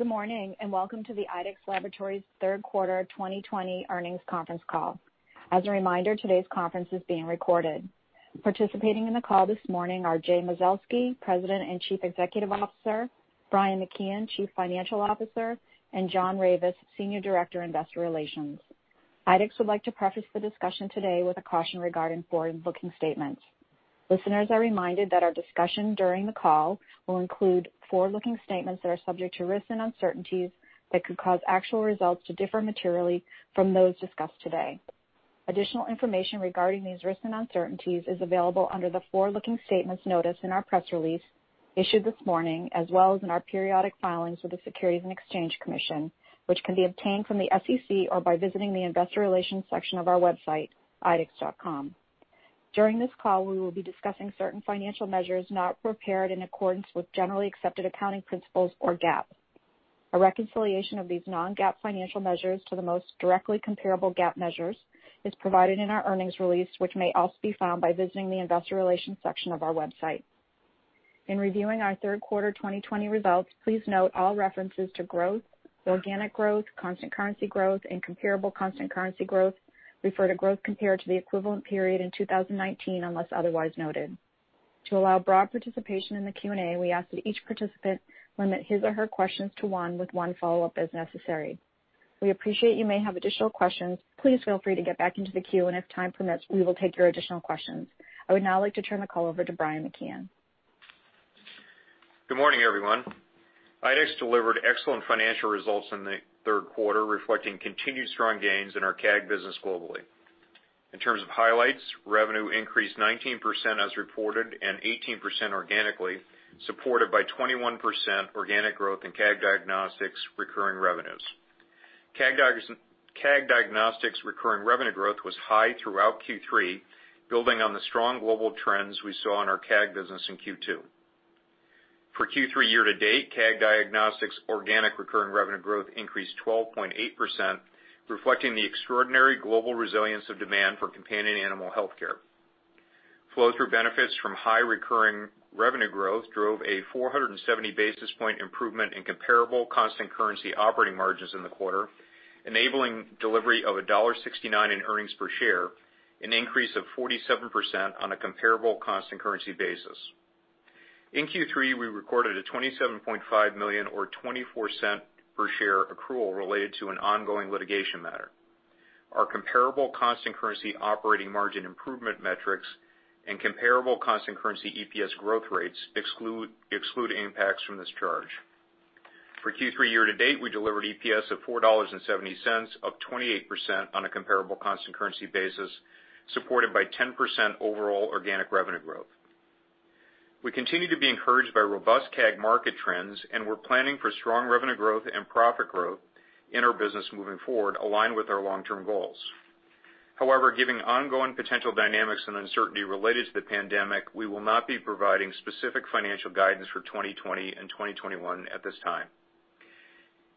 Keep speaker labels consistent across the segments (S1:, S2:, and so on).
S1: Good morning, welcome to the IDEXX Laboratories' third quarter 2020 earnings conference call. As a reminder, today's conference is being recorded. Participating in the call this morning are Jay Mazelsky, President and Chief Executive Officer, Brian McKeon, Chief Financial Officer, and John Ravis, Senior Director, Investor Relations. IDEXX would like to preface the discussion today with a caution regarding forward-looking statements. Listeners are reminded that our discussion during the call will include forward-looking statements that are subject to risks and uncertainties that could cause actual results to differ materially from those discussed today. Additional information regarding these risks and uncertainties is available under the forward-looking statements notice in our press release issued this morning, as well as in our periodic filings with the Securities and Exchange Commission, which can be obtained from the SEC or by visiting the Investor Relations section of our website, idexx.com. During this call, we will be discussing certain financial measures not prepared in accordance with generally accepted accounting principles, or GAAP. A reconciliation of these non-GAAP financial measures to the most directly comparable GAAP measures is provided in our earnings release, which may also be found by visiting the Investor Relations section of our website. In reviewing our third quarter 2020 results, please note all references to growth, organic growth, constant currency growth, and comparable constant currency growth refer to growth compared to the equivalent period in 2019, unless otherwise noted. To allow broad participation in the Q&A, we ask that each participant limit his or her questions to one with one follow-up as necessary. We appreciate you may have additional questions. Please feel free to get back into the queue, and if time permits, we will take your additional questions. I would now like to turn the call over to Brian McKeon.
S2: Good morning, everyone. IDEXX delivered excellent financial results in the third quarter, reflecting continued strong gains in our CAG business globally. In terms of highlights, revenue increased 19% as reported and 18% organically, supported by 21% organic growth in CAG Diagnostics recurring revenues. CAG Diagnostics recurring revenue growth was high throughout Q3, building on the strong global trends we saw in our CAG business in Q2. For Q3 year to date, CAG Diagnostics organic recurring revenue growth increased 12.8%, reflecting the extraordinary global resilience of demand for companion animal healthcare. Flow-through benefits from high recurring revenue growth drove a 470-basis point improvement in comparable constant currency operating margins in the quarter, enabling delivery of $1.69 in earnings per share, an increase of 47% on a comparable constant currency basis. In Q3, we recorded a $27.5 million or $0.24 per share accrual related to an ongoing litigation matter. Our comparable constant currency operating margin improvement metrics and comparable constant currency EPS growth rates exclude impacts from this charge. For Q3 year to date, we delivered EPS of $4.70, up 28% on a comparable constant currency basis, supported by 10% overall organic revenue growth. We continue to be encouraged by robust CAG market trends, and we're planning for strong revenue growth and profit growth in our business moving forward, aligned with our long-term goals. However, given ongoing potential dynamics and uncertainty related to the pandemic, we will not be providing specific financial guidance for 2020 and 2021 at this time.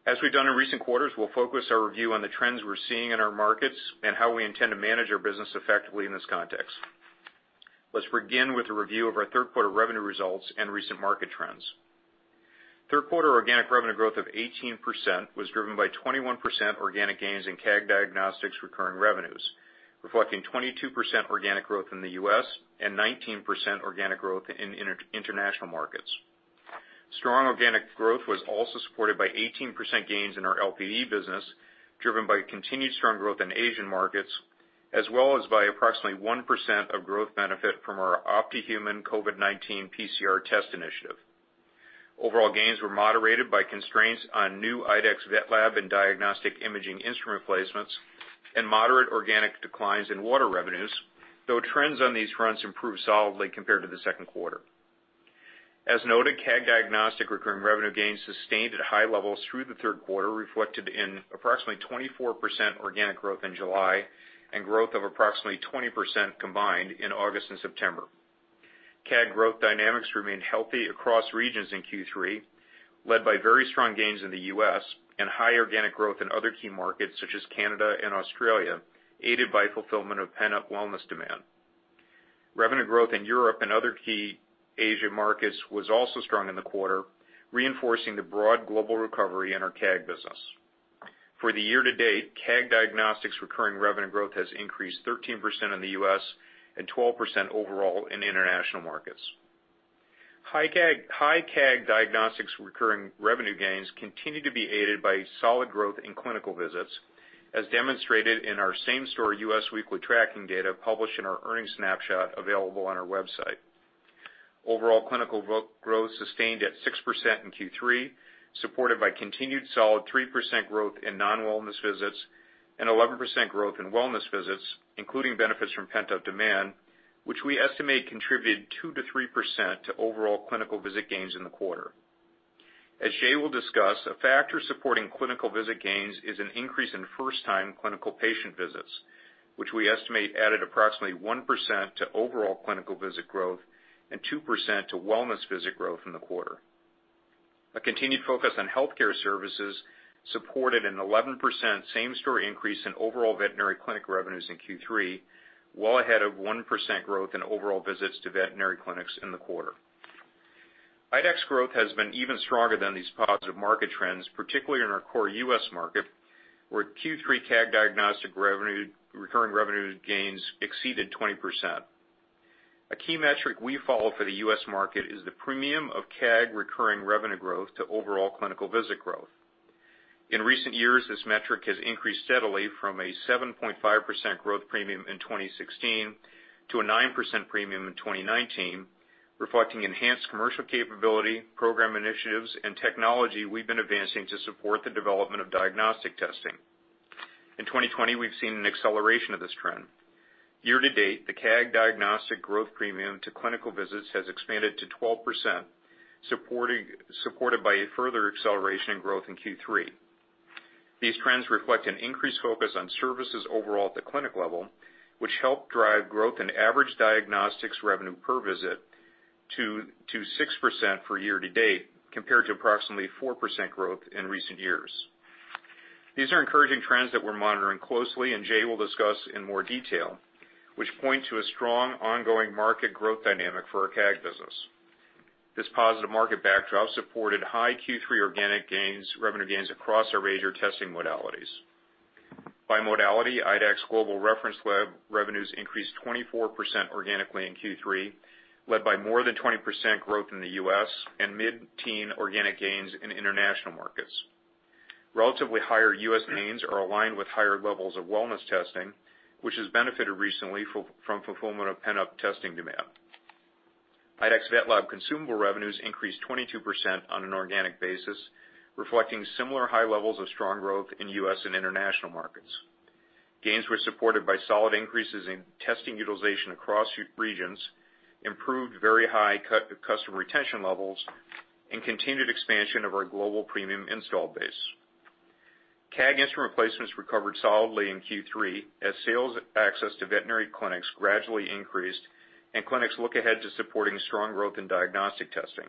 S2: As we've done in recent quarters, we'll focus our review on the trends we're seeing in our markets and how we intend to manage our business effectively in this context. Let's begin with a review of our third quarter revenue results and recent market trends. Third quarter organic revenue growth of 18% was driven by 21% organic gains in CAG Diagnostics recurring revenues, reflecting 22% organic growth in the U.S. and 19% organic growth in international markets. Strong organic growth was also supported by 18% gains in our LPD business, driven by continued strong growth in Asian markets, as well as by approximately 1% of growth benefit from our OPTI human COVID-19 PCR test initiative. Overall gains were moderated by constraints on new IDEXX VetLab and diagnostic imaging instrument placements and moderate organic declines in water revenues, though trends on these fronts improved solidly compared to the second quarter. As noted, CAG Diagnostics recurring revenue gains sustained at high levels through the third quarter reflected in approximately 24% organic growth in July and growth of approximately 20% combined in August and September. CAG growth dynamics remained healthy across regions in Q3, led by very strong gains in the U.S. and high organic growth in other key markets such as Canada and Australia, aided by fulfillment of pent-up wellness demand. Revenue growth in Europe and other key Asia markets was also strong in the quarter, reinforcing the broad global recovery in our CAG business. For the year to date, CAG Diagnostics recurring revenue growth has increased 13% in the U.S. and 12% overall in international markets. High CAG Diagnostics recurring revenue gains continue to be aided by solid growth in clinical visits, as demonstrated in our same-store U.S. weekly tracking data published in our earnings snapshot available on our website. Overall clinical growth sustained at 6% in Q3, supported by continued solid 3% growth in non-wellness visits and 11% growth in wellness visits, including benefits from pent-up demand, which we estimate contributed 2%-3% to overall clinical visit gains in the quarter. As Jay will discuss, a factor supporting clinical visit gains is an increase in first-time clinical patient visits, which we estimate added approximately 1% to overall clinical visit growth and 2% to wellness visit growth in the quarter. A continued focus on healthcare services supported an 11% same-store increase in overall veterinary clinic revenues in Q3, well ahead of 1% growth in overall visits to veterinary clinics in the quarter. IDEXX growth has been even stronger than these positive market trends, particularly in our core U.S. market, where Q3 CAG Diagnostics recurring revenue gains exceeded 20%. A key metric we follow for the U.S. market is the premium of CAG recurring revenue growth to overall clinical visit growth. In recent years, this metric has increased steadily from a 7.5% growth premium in 2016 to a 9% premium in 2019, reflecting enhanced commercial capability, program initiatives, and technology we've been advancing to support the development of diagnostic testing. In 2020, we've seen an acceleration of this trend. Year-to-date, the CAG Diagnostic growth premium to clinical visits has expanded to 12%, supported by a further acceleration in growth in Q3. These trends reflect an increased focus on services overall at the clinic level, which help drive growth in average diagnostics revenue per visit to 6% for year-to-date, compared to approximately 4% growth in recent years. These are encouraging trends that we're monitoring closely and Jay will discuss in more detail, which point to a strong ongoing market growth dynamic for our CAG business. This positive market backdrop supported high Q3 organic revenue gains across our major testing modalities. By modality, IDEXX Global Reference Lab revenues increased 24% organically in Q3, led by more than 20% growth in the U.S. and mid-teen organic gains in international markets. Relatively higher U.S. gains are aligned with higher levels of wellness testing, which has benefited recently from fulfillment of pent-up testing demand. IDEXX VetLab consumable revenues increased 22% on an organic basis, reflecting similar high levels of strong growth in U.S. and international markets. Gains were supported by solid increases in testing utilization across regions, improved very high customer retention levels, and continued expansion of our global premium install base. CAG instrument replacements recovered solidly in Q3 as sales access to veterinary clinics gradually increased and clinics look ahead to supporting strong growth in diagnostic testing.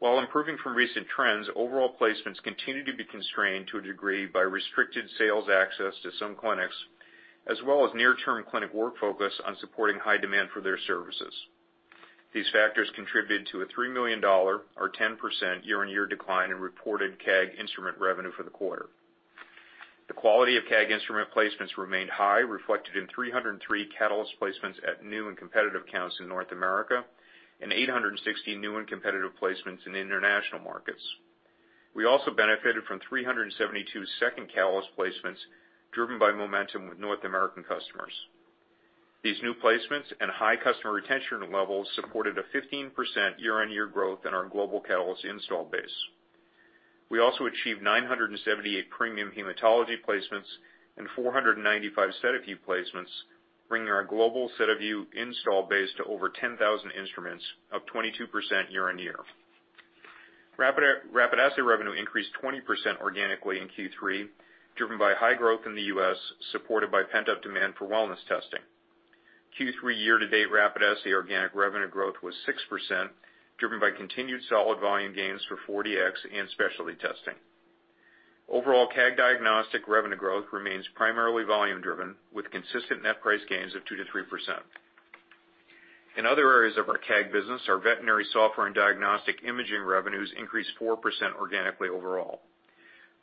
S2: While improving from recent trends, overall placements continue to be constrained to a degree by restricted sales access to some clinics, as well as near-term clinic work focus on supporting high demand for their services. These factors contributed to a $3 million, or 10% year-on-year decline in reported CAG instrument revenue for the quarter. The quality of CAG instrument placements remained high, reflected in 303 Catalyst placements at new and competitive accounts in North America and 860 new and competitive placements in international markets. We also benefited from 372 second Catalyst placements driven by momentum with North American customers. These new placements and high customer retention levels supported a 15% year-on-year growth in our global Catalyst install base. We also achieved 978 premium hematology placements and 495 SediVue placements, bringing our global SediVue install base to over 10,000 instruments, up 22% year-on-year. Rapid assay revenue increased 20% organically in Q3, driven by high growth in the U.S., supported by pent-up demand for wellness testing. Q3 year-to-date rapid assays organic revenue growth was 6%, driven by continued solid volume gains for 4Dx and specialty testing. Overall CAG Diagnostic revenue growth remains primarily volume driven, with consistent net price gains of 2%-3%. In other areas of our CAG business, our veterinary software and diagnostic imaging revenues increased 4% organically overall.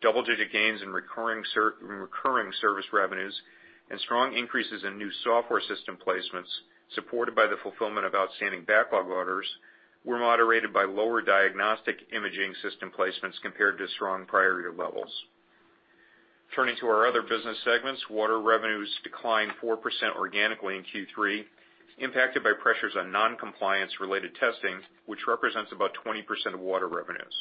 S2: Double-digit gains in recurring service revenues and strong increases in new software system placements, supported by the fulfillment of outstanding backlog orders, were moderated by lower diagnostic imaging system placements compared to strong prior year levels. Turning to our other business segments, water revenues declined 4% organically in Q3, impacted by pressures on non-compliance related testing, which represents about 20% of water revenues.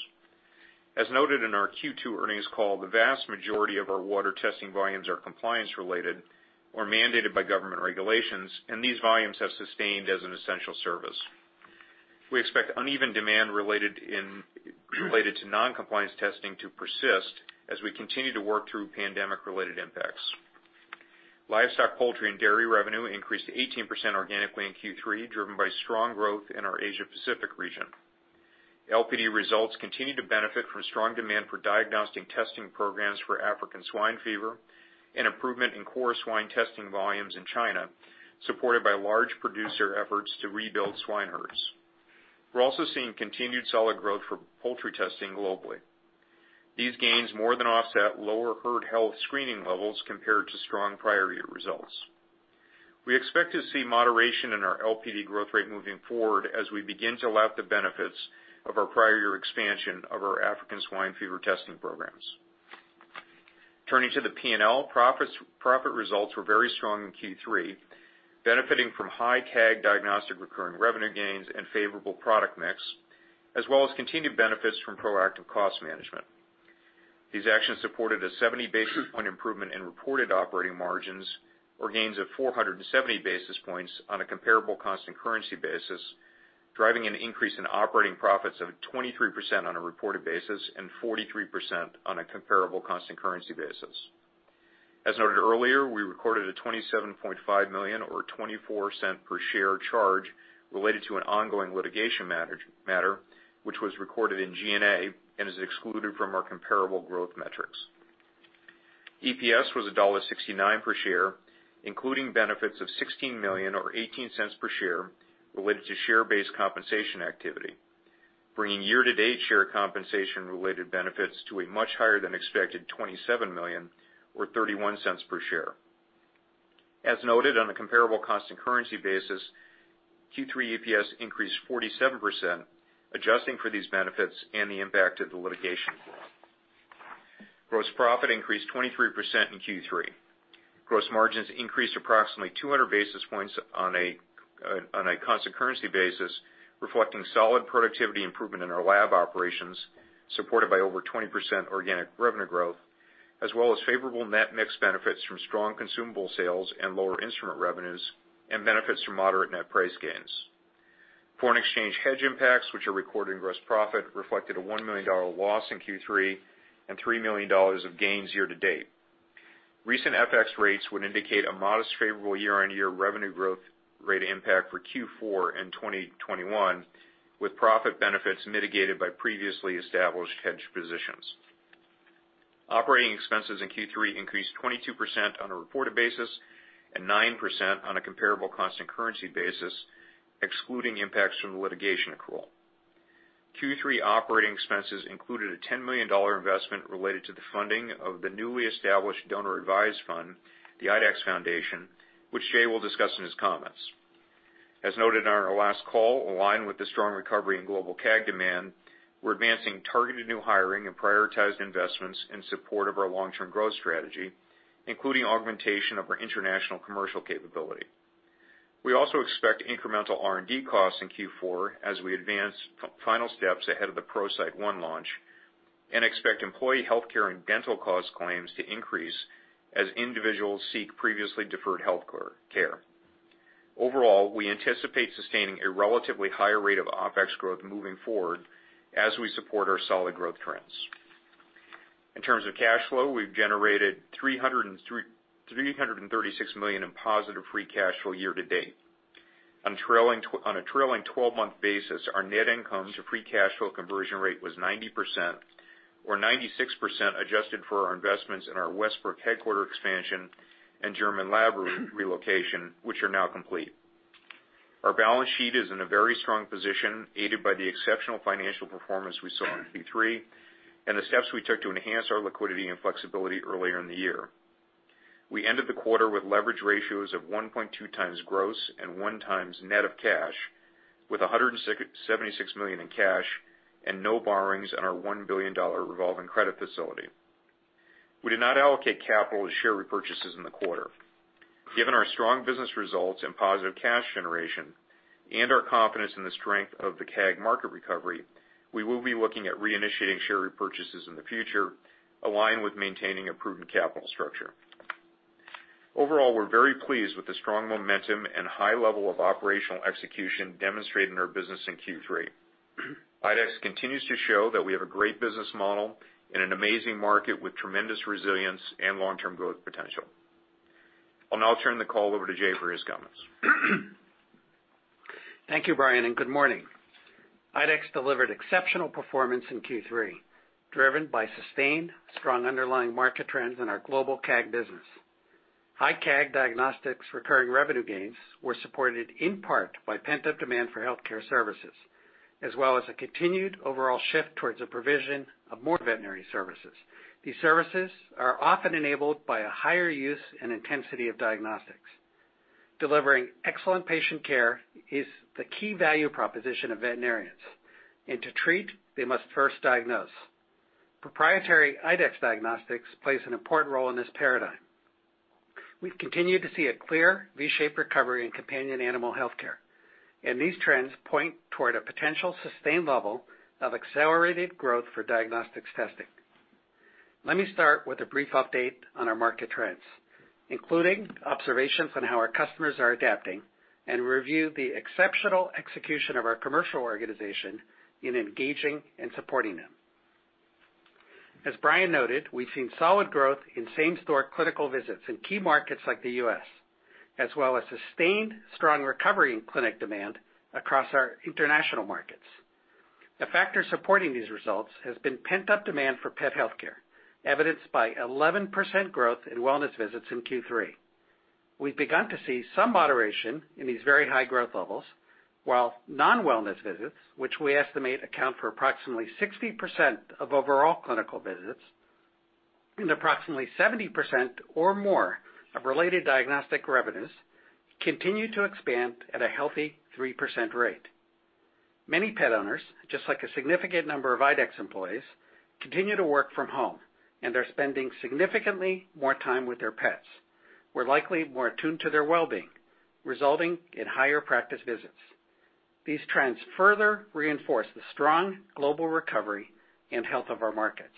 S2: As noted in our Q2 earnings call, the vast majority of our water testing volumes are compliance related or mandated by government regulations, and these volumes have sustained as an essential service. We expect uneven demand related to non-compliance testing to persist as we continue to work through pandemic-related impacts. Livestock, Poultry and Dairy revenue increased 18% organically in Q3, driven by strong growth in our Asia Pacific region. LPD results continued to benefit from strong demand for diagnostic testing programs for African swine fever and improvement in core swine testing volumes in China, supported by large producer efforts to rebuild swine herds. We're also seeing continued solid growth for poultry testing globally. These gains more than offset lower herd health screening levels compared to strong prior year results. We expect to see moderation in our LPD growth rate moving forward as we begin to lap the benefits of our prior year expansion of our African swine fever testing programs. Turning to the P&L, profit results were very strong in Q3, benefiting from high CAG Diagnostic recurring revenue gains and favorable product mix, as well as continued benefits from proactive cost management. These actions supported a 70-basis point improvement in reported operating margins, or gains of 470 basis points on a comparable constant currency basis, driving an increase in operating profits of 23% on a reported basis and 43% on a comparable constant currency basis. As noted earlier, we recorded a $27.5 million or $0.24 per share charge related to an ongoing litigation matter, which was recorded in G&A and is excluded from our comparable growth metrics. EPS was $1.69 per share, including benefits of $16 million, or $0.18 per share, related to share-based compensation activity, bringing year-to-date share compensation related benefits to a much higher than expected $27 million, or $0.31 per share. As noted, on a comparable constant currency basis, Q3 EPS increased 47%, adjusting for these benefits and the impact of the litigation accrual. Gross profit increased 23% in Q3. Gross margins increased approximately 200 basis points on a constant currency basis, reflecting solid productivity improvement in our lab operations, supported by over 20% organic revenue growth, as well as favorable net mix benefits from strong consumable sales and lower instrument revenues, and benefits from moderate net price gains. Foreign exchange hedge impacts, which are recorded in gross profit, reflected a $1 million loss in Q3 and $3 million of gains year to date. Recent FX rates would indicate a modest favorable year-on-year revenue growth rate impact for Q4 and 2021, with profit benefits mitigated by previously established hedge positions. Operating expenses in Q3 increased 22% on a reported basis and 9% on a comparable constant currency basis, excluding impacts from the litigation accrual. Q3 operating expenses included a $10 million investment related to the funding of the newly established donor-advised fund, the IDEXX Foundation, which Jay will discuss in his comments. As noted on our last call, aligned with the strong recovery in global CAG demand, we're advancing targeted new hiring and prioritized investments in support of our long-term growth strategy, including augmentation of our international commercial capability. We also expect incremental R&D costs in Q4 as we advance final steps ahead of the ProCyte One launch and expect employee healthcare and dental cost claims to increase as individuals seek previously deferred healthcare care. Overall, we anticipate sustaining a relatively higher rate of OpEx growth moving forward as we support our solid growth trends. In terms of cash flow, we've generated $336 million in positive free cash flow year to date. On a trailing 12-month basis, our net income to free cash flow conversion rate was 90%, or 96% adjusted for our investments in our Westbrook headquarter expansion and German lab relocation, which are now complete. Our balance sheet is in a very strong position, aided by the exceptional financial performance we saw in Q3 and the steps we took to enhance our liquidity and flexibility earlier in the year. We ended the quarter with leverage ratios of 1.2x gross and 1x net of cash, with $176 million in cash and no borrowings on our $1 billion revolving credit facility. We did not allocate capital to share repurchases in the quarter. Given our strong business results and positive cash generation and our confidence in the strength of the CAG market recovery, we will be looking at reinitiating share repurchases in the future, aligned with maintaining a prudent capital structure. Overall, we're very pleased with the strong momentum and high level of operational execution demonstrated in our business in Q3. IDEXX continues to show that we have a great business model and an amazing market with tremendous resilience and long-term growth potential. I'll now turn the call over to Jay for his comments.
S3: Thank you, Brian, and good morning. IDEXX delivered exceptional performance in Q3, driven by sustained strong underlying market trends in our global CAG business. High CAG Diagnostics recurring revenue gains were supported in part by pent-up demand for healthcare services, as well as a continued overall shift towards the provision of more veterinary services. These services are often enabled by a higher use and intensity of diagnostics. Delivering excellent patient care is the key value proposition of veterinarians, and to treat, they must first diagnose. Proprietary IDEXX diagnostics plays an important role in this paradigm. We've continued to see a clear V-shaped recovery in companion animal healthcare, and these trends point toward a potential sustained level of accelerated growth for diagnostics testing. Let me start with a brief update on our market trends, including observations on how our customers are adapting and review the exceptional execution of our commercial organization in engaging and supporting them. As Brian noted, we've seen solid growth in same-store clinical visits in key markets like the U.S., as well as sustained strong recovery in clinic demand across our international markets. A factor supporting these results has been pent-up demand for pet healthcare, evidenced by 11% growth in wellness visits in Q3. We've begun to see some moderation in these very high growth levels, while non-wellness visits, which we estimate account for approximately 60% of overall clinical visits and approximately 70% or more of related diagnostic revenues, continue to expand at a healthy 3% rate. Many pet owners, just like a significant number of IDEXX employees, continue to work from home, they're spending significantly more time with their pets. We're likely more attuned to their well-being, resulting in higher practice visits. These trends further reinforce the strong global recovery and health of our markets.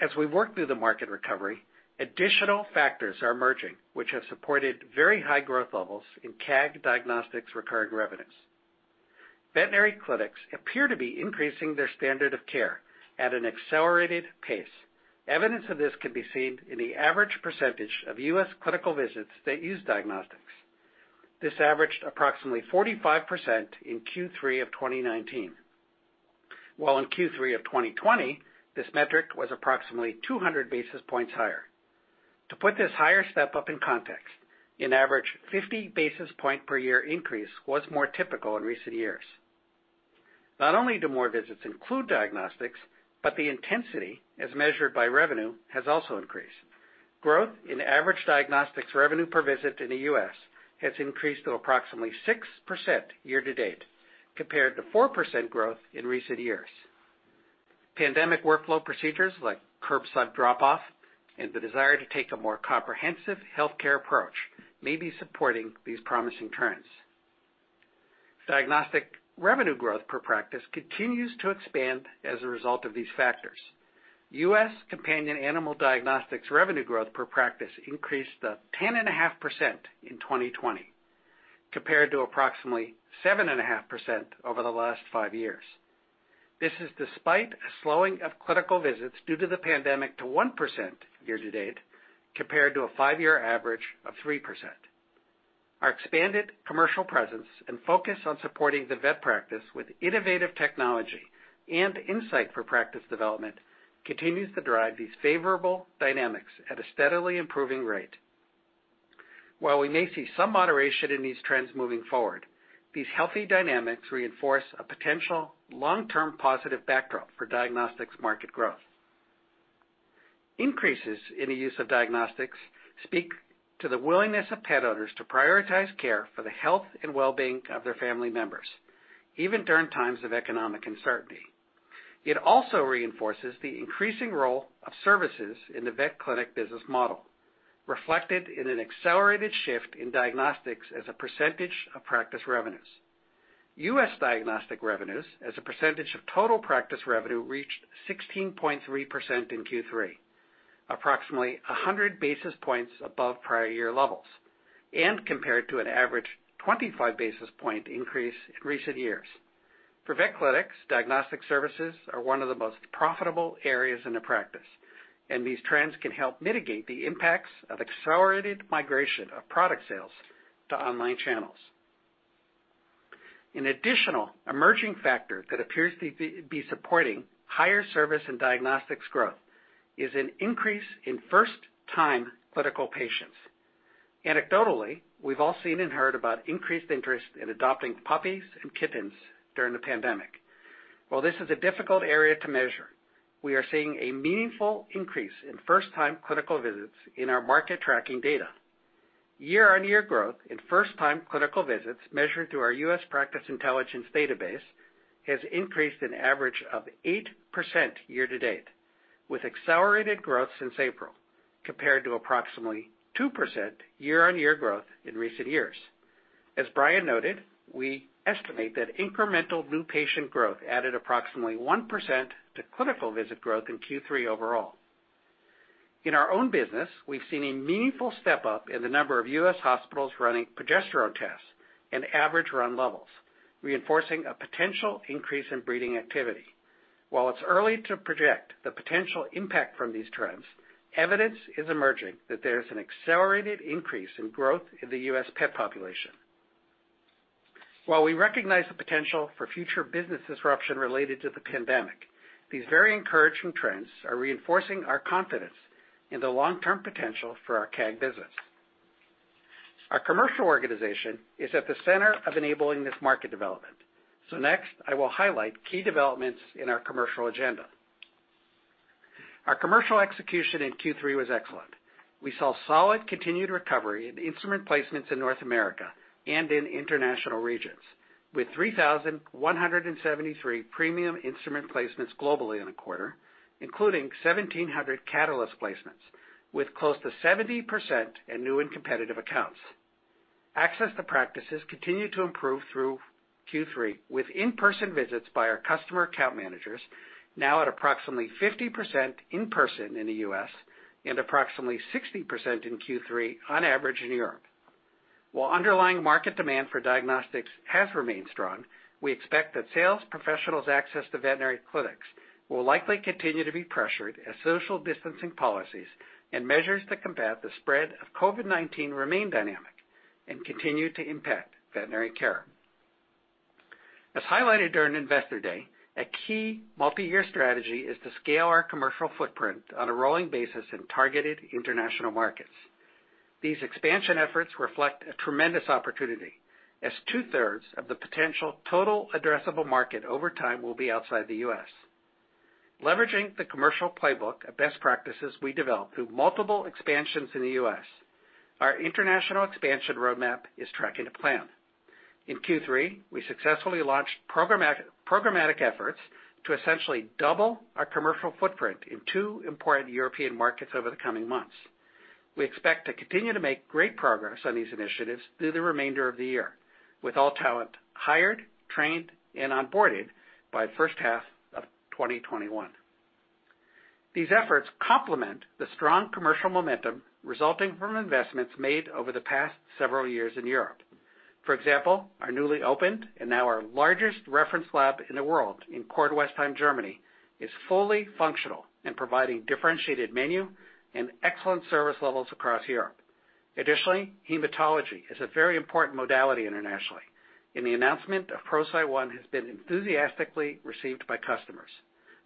S3: As we work through the market recovery, additional factors are emerging, which have supported very high growth levels in CAG Diagnostics recurring revenues. Veterinary clinics appear to be increasing their standard of care at an accelerated pace. Evidence of this can be seen in the average percentage of U.S. clinical visits that use diagnostics. This averaged approximately 45% in Q3 of 2019. While in Q3 of 2020, this metric was approximately 200 basis points higher. To put this higher step-up in context, an average 50 basis point per year increase was more typical in recent years. Not only do more visits include diagnostics, but the intensity, as measured by revenue, has also increased. Growth in average diagnostics revenue per visit in the U.S. has increased to approximately 6% year-to-date, compared to 4% growth in recent years. Pandemic workflow procedures like curbside drop-off and the desire to take a more comprehensive healthcare approach may be supporting these promising trends. Diagnostic revenue growth per practice continues to expand as a result of these factors. U.S. companion animal diagnostics revenue growth per practice increased to 10.5% in 2020, compared to approximately 7.5% over the last five years. This is despite a slowing of clinical visits due to the pandemic to 1% year-to-date, compared to a five-year average of 3%. Our expanded commercial presence and focus on supporting the vet practice with innovative technology and insight for practice development continues to drive these favorable dynamics at a steadily improving rate. While we may see some moderation in these trends moving forward, these healthy dynamics reinforce a potential long-term positive backdrop for diagnostics market growth. Increases in the use of diagnostics speak to the willingness of pet owners to prioritize care for the health and well-being of their family members, even during times of economic uncertainty. It also reinforces the increasing role of services in the vet clinic business model, reflected in an accelerated shift in diagnostics as a percentage of practice revenues. U.S. diagnostic revenues as a percentage of total practice revenue reached 16.3% in Q3, approximately 100 basis points above prior-year levels, and compared to an average 25 basis point increase in recent years. For vet clinics, diagnostic services are one of the most profitable areas in the practice, and these trends can help mitigate the impacts of accelerated migration of product sales to online channels. An additional emerging factor that appears to be supporting higher service and diagnostics growth is an increase in first-time clinical patients. Anecdotally, we've all seen and heard about increased interest in adopting puppies and kittens during the pandemic. While this is a difficult area to measure, we are seeing a meaningful increase in first-time clinical visits in our market tracking data. Year-on-year growth in first-time clinical visits measured through our U.S. practice intelligence database has increased an average of 8% year-to-date, with accelerated growth since April, compared to approximately 2% year-on-year growth in recent years. As Brian noted, we estimate that incremental new patient growth added approximately 1% to clinical visit growth in Q3 overall. In our own business, we've seen a meaningful step-up in the number of U.S. hospitals running progesterone tests and average run levels, reinforcing a potential increase in breeding activity. While it's early to project the potential impact from these trends, evidence is emerging that there is an accelerated increase in growth in the U.S. pet population. While we recognize the potential for future business disruption related to the pandemic, these very encouraging trends are reinforcing our confidence in the long-term potential for our CAG business. Our commercial organization is at the center of enabling this market development. Next, I will highlight key developments in our commercial agenda. Our commercial execution in Q3 was excellent. We saw solid continued recovery in instrument placements in North America and in international regions, with 3,173 premium instrument placements globally in the quarter, including 1,700 Catalyst placements, with close to 70% in new and competitive accounts. Access to practices continued to improve through Q3, with in-person visits by our customer account managers now at approximately 50% in person in the U.S. and approximately 60% in Q3 on average in Europe. While underlying market demand for diagnostics has remained strong, we expect that sales professionals' access to veterinary clinics will likely continue to be pressured as social distancing policies and measures to combat the spread of COVID-19 remain dynamic and continue to impact veterinary care. As highlighted during Investor Day, a key multi-year strategy is to scale our commercial footprint on a rolling basis in targeted international markets. These expansion efforts reflect a tremendous opportunity as two-thirds of the potential total addressable market over time will be outside the U.S. Leveraging the commercial playbook of best practices we developed through multiple expansions in the U.S., our international expansion roadmap is tracking to plan. In Q3, we successfully launched programmatic efforts to essentially double our commercial footprint in two important European markets over the coming months. We expect to continue to make great progress on these initiatives through the remainder of the year, with all talent hired, trained, and onboarded by the first half of 2021. These efforts complement the strong commercial momentum resulting from investments made over the past several years in Europe. For example, our newly opened and now our largest reference lab in the world in Kornwestheim, Germany, is fully functional and providing differentiated menu and excellent service levels across Europe. Additionally, hematology is a very important modality internationally, and the announcement of ProCyte One has been enthusiastically received by customers.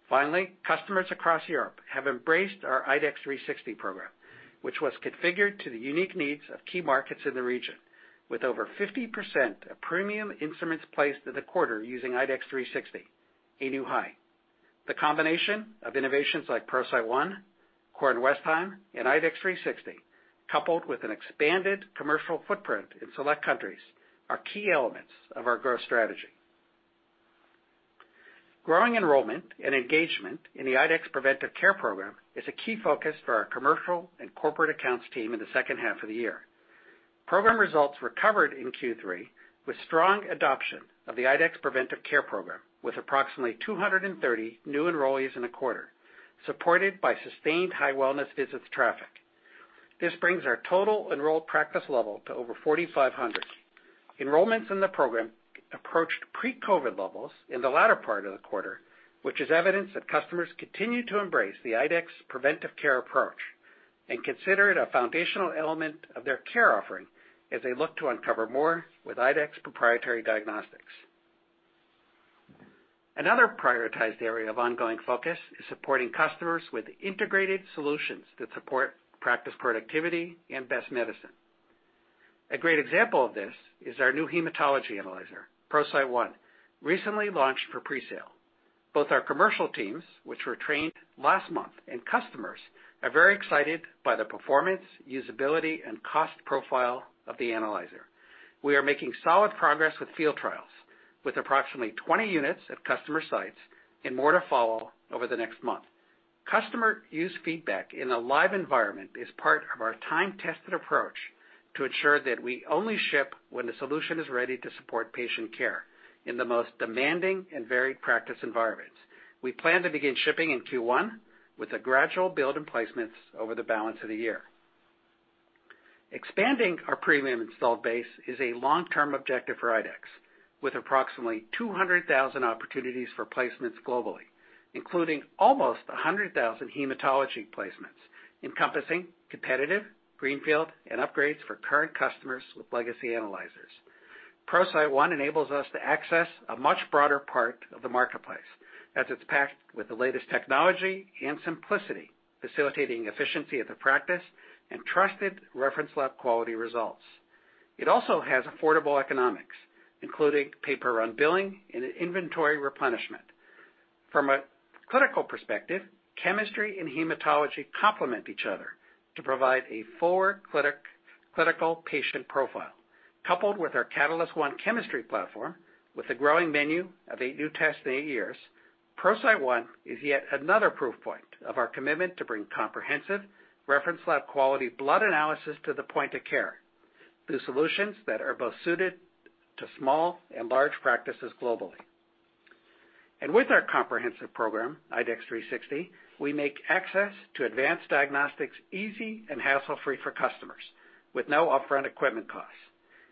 S3: Finally, customers across Europe have embraced our IDEXX 360 program, which was configured to the unique needs of key markets in the region, with over 50% of premium instruments placed in the quarter using IDEXX 360, a new high. The combination of innovations like ProCyte One, Kornwestheim, and IDEXX 360, coupled with an expanded commercial footprint in select countries, are key elements of our growth strategy. Growing enrollment and engagement in the IDEXX Preventive Care program is a key focus for our commercial and corporate accounts team in the second half of the year. Program results recovered in Q3 with strong adoption of the IDEXX Preventive Care program, with approximately 230 new enrollees in the quarter, supported by sustained high wellness visits traffic. This brings our total enrolled practice level to over 4,500. Enrollments in the program approached pre-COVID levels in the latter part of the quarter, which is evidence that customers continue to embrace the IDEXX Preventive Care approach and consider it a foundational element of their care offering as they look to uncover more with IDEXX proprietary diagnostics. Another prioritized area of ongoing focus is supporting customers with integrated solutions that support practice productivity and best medicine. A great example of this is our new hematology analyzer, ProCyte One, recently launched for presale. Both our commercial teams, which were trained last month, and customers are very excited by the performance, usability, and cost profile of the analyzer. We are making solid progress with field trials, with approximately 20 units at customer sites and more to follow over the next month. Customer use feedback in a live environment is part of our time-tested approach to ensure that we only ship when the solution is ready to support patient care in the most demanding and varied practice environments. We plan to begin shipping in Q1, with a gradual build in placements over the balance of the year. Expanding our premium installed base is a long-term objective for IDEXX, with approximately 200,000 opportunities for placements globally, including almost 100,000 hematology placements encompassing competitive, greenfield, and upgrades for current customers with legacy analyzers. ProCyte One enables us to access a much broader part of the marketplace, as it's packed with the latest technology and simplicity, facilitating efficiency at the practice and trusted reference lab quality results. It also has affordable economics, including pay-per-run billing and an inventory replenishment. From a clinical perspective, chemistry and hematology complement each other to provide a full clinical patient profile. Coupled with our Catalyst One chemistry platform with a growing menu of eight new tests in eight years, ProCyte One is yet another proof point of our commitment to bring comprehensive reference lab quality blood analysis to the point of care through solutions that are both suited to small and large practices globally. With our comprehensive program, IDEXX 360, we make access to advanced diagnostics easy and hassle-free for customers with no upfront equipment costs.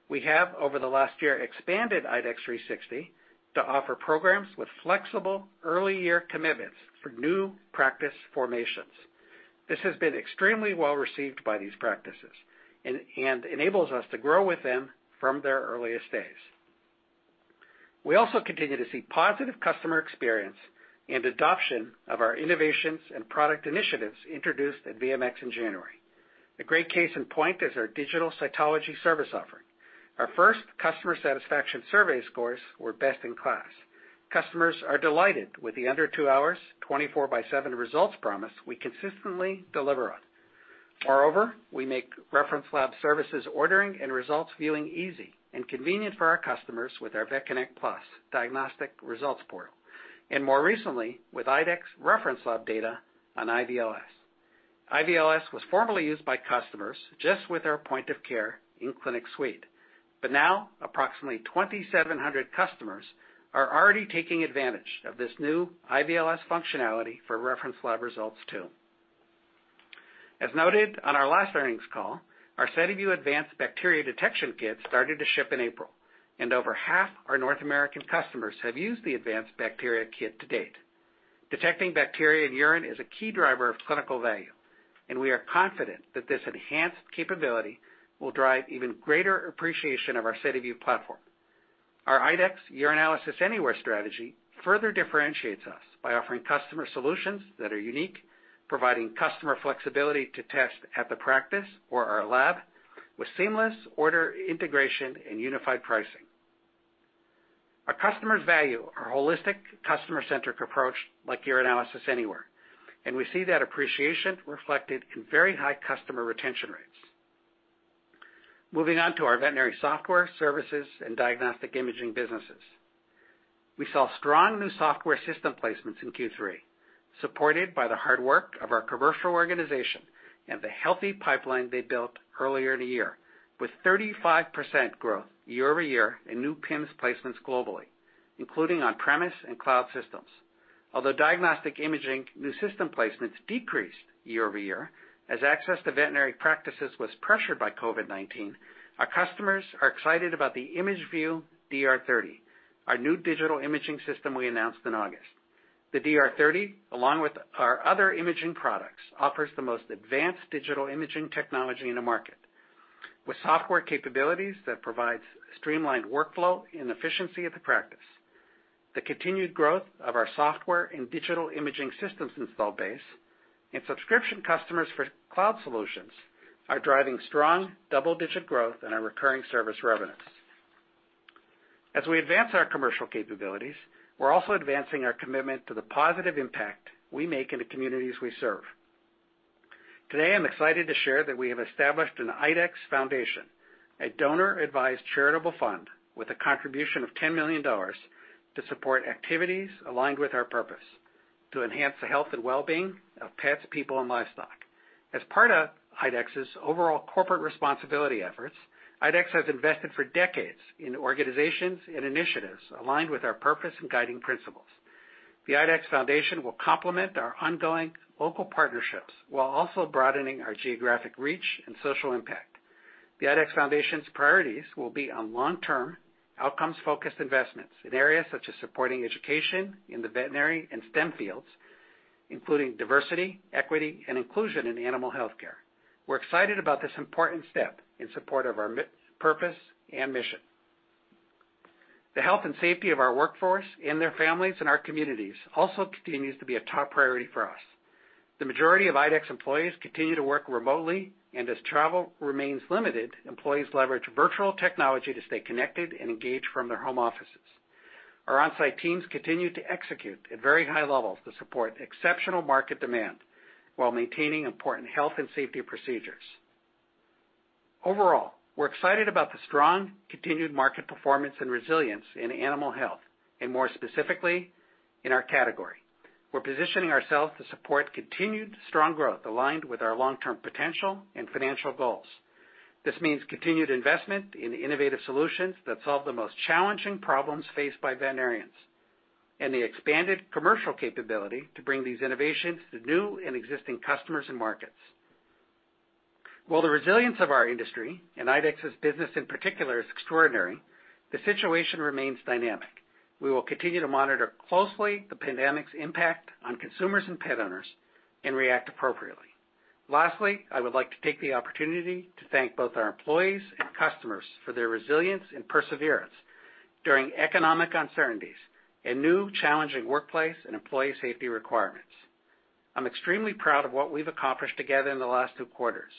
S3: We have, over the last year, expanded IDEXX 360 to offer programs with flexible early-year commitments for new practice formations. This has been extremely well-received by these practices and enables us to grow with them from their earliest days. We also continue to see positive customer experience and adoption of our innovations and product initiatives introduced at VMX in January. A great case in point is our Digital Cytology service offering. Our first customer satisfaction survey scores were best in class. Customers are delighted with the under two hours, 24/7 results promise we consistently deliver on. Moreover, we make reference lab services ordering and results viewing easy and convenient for our customers with our VetConnect PLUS diagnostic results portal, and more recently, with IDEXX Reference Lab Data on IVLS. IVLS was formerly used by customers just with our point of care in Clinic Suite, but now approximately 2,700 customers are already taking advantage of this new IVLS functionality for reference lab results too. As noted on our last earnings call, our SediVue Advanced Bacteria Detection kit started to ship in April, and over half our North American customers have used the Advanced Bacteria kit to date. Detecting bacteria in urine is a key driver of clinical value, and we are confident that this enhanced capability will drive even greater appreciation of our SediVue platform. Our IDEXX Urinalysis Anywhere strategy further differentiates us by offering customer solutions that are unique, providing customer flexibility to test at the practice or our lab with seamless order integration and unified pricing. Our customers value our holistic customer-centric approach like Urinalysis Anywhere, and we see that appreciation reflected in very high customer retention rates. Moving on to our veterinary software, services, and diagnostic imaging businesses. We saw strong new software system placements in Q3, supported by the hard work of our commercial organization and the healthy pipeline they built earlier in the year, with 35% growth year-over-year in new PIMS placements globally, including on-premise and cloud systems. Although diagnostic imaging new system placements decreased year-over-year as access to veterinary practices was pressured by COVID-19, our customers are excited about the ImageVue DR30, our new digital imaging system we announced in August. The DR30, along with our other imaging products, offers the most advanced digital imaging technology in the market, with software capabilities that provides streamlined workflow and efficiency at the practice. The continued growth of our software and digital imaging systems install base and subscription customers for cloud solutions are driving strong double-digit growth in our recurring service revenues. As we advance our commercial capabilities, we're also advancing our commitment to the positive impact we make in the communities we serve. Today, I'm excited to share that we have established an IDEXX Foundation, a donor-advised charitable fund with a contribution of $10 million to support activities aligned with our purpose to enhance the health and wellbeing of pets, people, and livestock. As part of IDEXX's overall corporate responsibility efforts, IDEXX has invested for decades in organizations and initiatives aligned with our purpose and guiding principles. The IDEXX Foundation will complement our ongoing local partnerships while also broadening our geographic reach and social impact. The IDEXX Foundation's priorities will be on long-term, outcomes-focused investments in areas such as supporting education in the veterinary and STEM fields, including diversity, equity, and inclusion in animal healthcare. We're excited about this important step in support of our purpose and mission. The health and safety of our workforce and their families and our communities also continues to be a top priority for us. The majority of IDEXX employees continue to work remotely, and as travel remains limited, employees leverage virtual technology to stay connected and engaged from their home offices. Our on-site teams continue to execute at very high levels to support exceptional market demand while maintaining important health and safety procedures. Overall, we're excited about the strong continued market performance and resilience in animal health, and more specifically in our category. We're positioning ourselves to support continued strong growth aligned with our long-term potential and financial goals. This means continued investment in innovative solutions that solve the most challenging problems faced by veterinarians and the expanded commercial capability to bring these innovations to new and existing customers and markets. While the resilience of our industry and IDEXX's business in particular is extraordinary, the situation remains dynamic. We will continue to monitor closely the pandemic's impact on consumers and pet owners and react appropriately. Lastly, I would like to take the opportunity to thank both our employees and customers for their resilience and perseverance during economic uncertainties and new challenging workplace and employee safety requirements. I'm extremely proud of what we've accomplished together in the last two quarters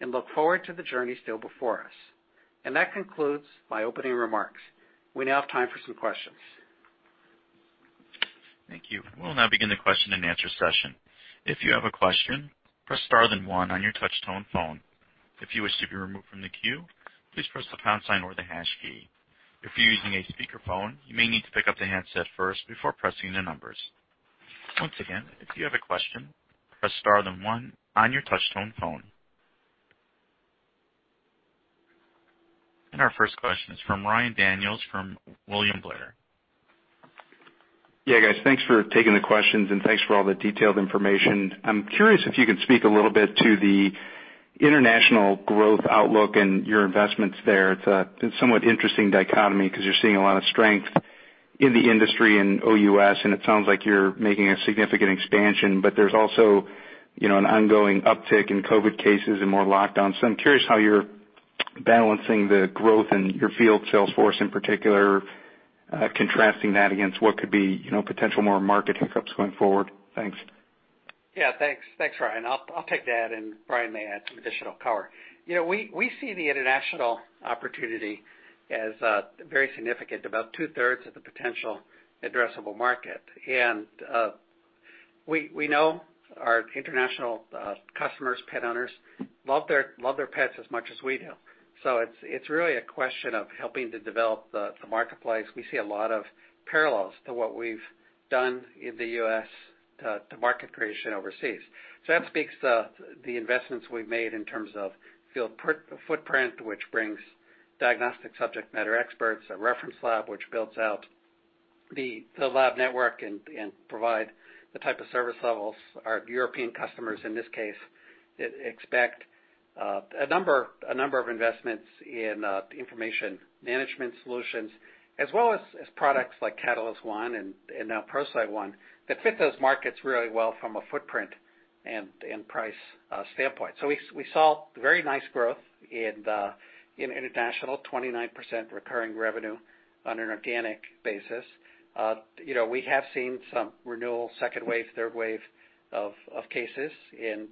S3: and look forward to the journey still before us. That concludes my opening remarks. We now have time for some questions.
S1: Thank you. We'll now begin the question and answer session. If you have a question, press star then one on your touch-tone phone. If you wish to be removed from the queue, please press the pound sign or the hash key. If you're using a speakerphone, you may need to pick up the handset first before pressing the numbers. Once again, if you have a question, press star then one on your touch-tone phone. Our first question is from Ryan Daniels from William Blair.
S4: Yeah, guys. Thanks for taking the questions and thanks for all the detailed information. I'm curious if you could speak a little bit to the international growth outlook and your investments there. It's a somewhat interesting dichotomy because you're seeing a lot of strength in the industry in OUS, and it sounds like you're making a significant expansion, but there's also an ongoing uptick in COVID-19 cases and more lockdowns. I'm curious how you're balancing the growth in your field sales force in particular, contrasting that against what could be potential more market hiccups going forward. Thanks.
S3: Yeah. Thanks, Ryan. I'll take that. Brian may add some additional color. We see the international opportunity as very significant, about two-thirds of the potential addressable market. We know our international customers, pet owners, love their pets as much as we do. It's really a question of helping to develop the marketplace. We see a lot of parallels to what we've done in the U.S. to market creation overseas. That speaks to the investments we've made in terms of field footprint, which brings diagnostic subject matter experts, a reference lab, which builds out the lab network and provide the type of service levels our European customers, in this case, expect. A number of investments in information management solutions, as well as products like Catalyst One and now ProCyte One that fit those markets really well from a footprint and price standpoint. We saw very nice growth in international, 29% recurring revenue on an organic basis. We have seen some renewal, second wave, third wave of cases in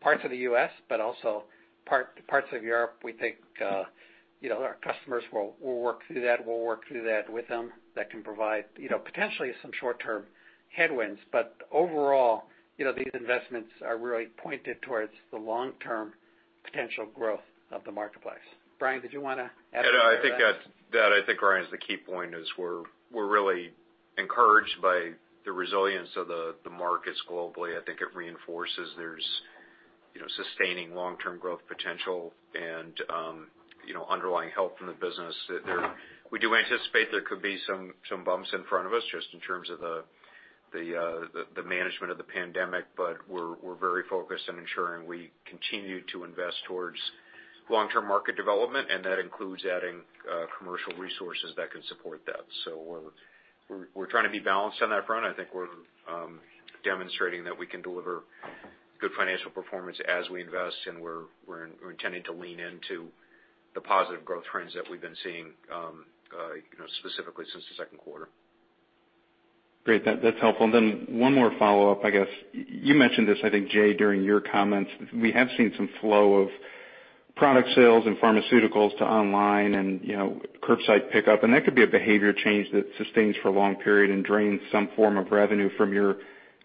S3: parts of the U.S., but also parts of Europe. We think our customers will work through that. We'll work through that with them. That can provide potentially some short-term headwinds. Overall, these investments are really pointed towards the long-term potential growth of the marketplace. Brian, did you want to add to any of that?
S2: That I think, Ryan, is the key point is we're really encouraged by the resilience of the markets globally. I think it reinforces there's sustaining long-term growth potential and underlying health in the business. We do anticipate there could be some bumps in front of us just in terms of the management of the pandemic. We're very focused on ensuring we continue to invest towards long-term market development, and that includes adding commercial resources that can support that. We're trying to be balanced on that front. I think we're demonstrating that we can deliver good financial performance as we invest, and we're intending to lean into the positive growth trends that we've been seeing, specifically since the second quarter.
S4: Great. That's helpful. Then one more follow-up, I guess. You mentioned this, I think, Jay, during your comments. We have seen some flow of product sales and pharmaceuticals to online and curbside pickup. That could be a behavior change that sustains for a long period and drains some form of revenue from your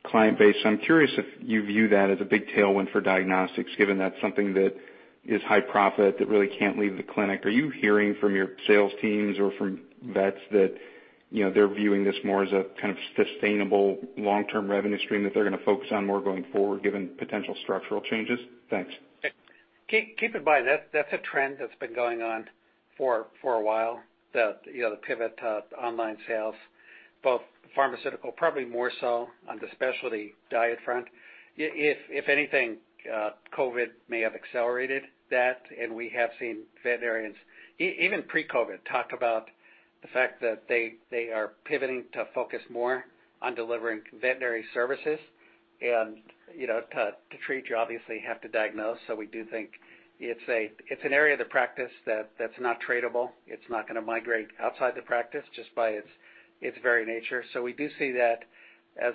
S4: client base. I'm curious if you view that as a big tailwind for diagnostics, given that's something that is high profit, that really can't leave the clinic. Are you hearing from your sales teams or from vets that they're viewing this more as a kind of sustainable long-term revenue stream that they're going to focus on more going forward given potential structural changes? Thanks.
S3: Keep in mind, that's a trend that's been going on for a while, the pivot to online sales, both pharmaceutical, probably more so on the specialty diet front. If anything, COVID may have accelerated that. We have seen veterinarians, even pre-COVID, talk about the fact that they are pivoting to focus more on delivering veterinary services. To treat, you obviously have to diagnose. We do think it's an area of the practice that's not tradable. It's not going to migrate outside the practice just by its very nature. We do see that as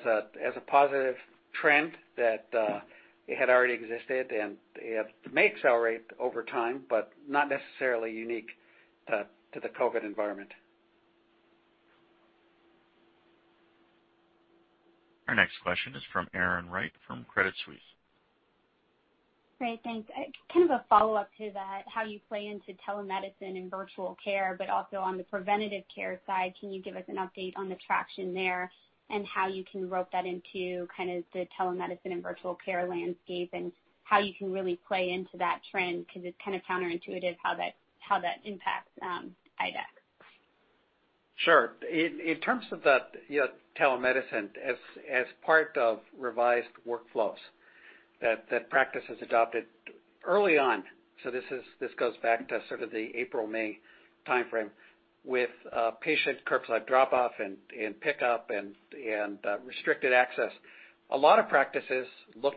S3: a positive trend that had already existed, and it may accelerate over time, but not necessarily unique to the COVID environment.
S1: Our next question is from Erin Wright from Credit Suisse.
S5: Great. Thanks. Kind of a follow-up to that, how you play into telemedicine and virtual care, but also on the preventive care side, can you give us an update on the traction there and how you can rope that into kind of the telemedicine and virtual care landscape and how you can really play into that trend, because it's kind of counterintuitive how that impacts IDEXX?
S3: Sure. In terms of that telemedicine, as part of revised workflows that practice has adopted early on. This goes back to sort of the April, May timeframe with patient curbside drop-off and pick-up and restricted access. A lot of practices look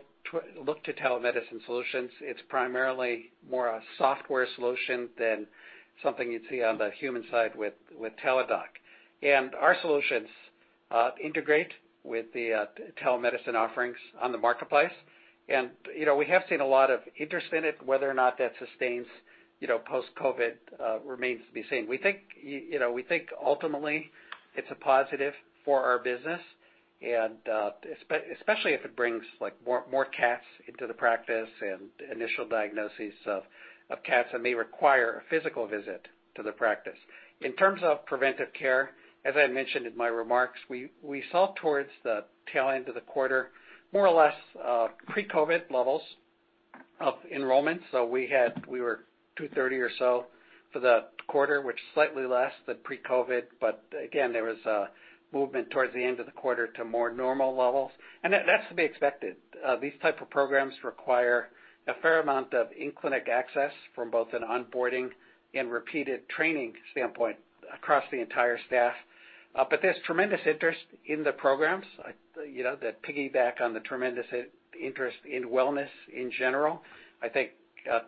S3: to telemedicine solutions. It's primarily more a software solution than something you'd see on the human side with Teladoc. Our solutions integrate with the telemedicine offerings on the marketplace. We have seen a lot of interest in it. Whether or not that sustains post-COVID remains to be seen. We think, ultimately, it's a positive for our business, and especially if it brings more cats into the practice and initial diagnoses of cats that may require a physical visit to the practice. In terms of preventive care, as I mentioned in my remarks, we saw towards the tail end of the quarter, more or less pre-COVID levels of enrollment. We were 230 or so for the quarter, which is slightly less than pre-COVID. Again, there was a movement towards the end of the quarter to more normal levels. That's to be expected. These type of programs require a fair amount of in-clinic access from both an onboarding and repeated training standpoint across the entire staff. There's tremendous interest in the programs that piggyback on the tremendous interest in wellness in general. I think,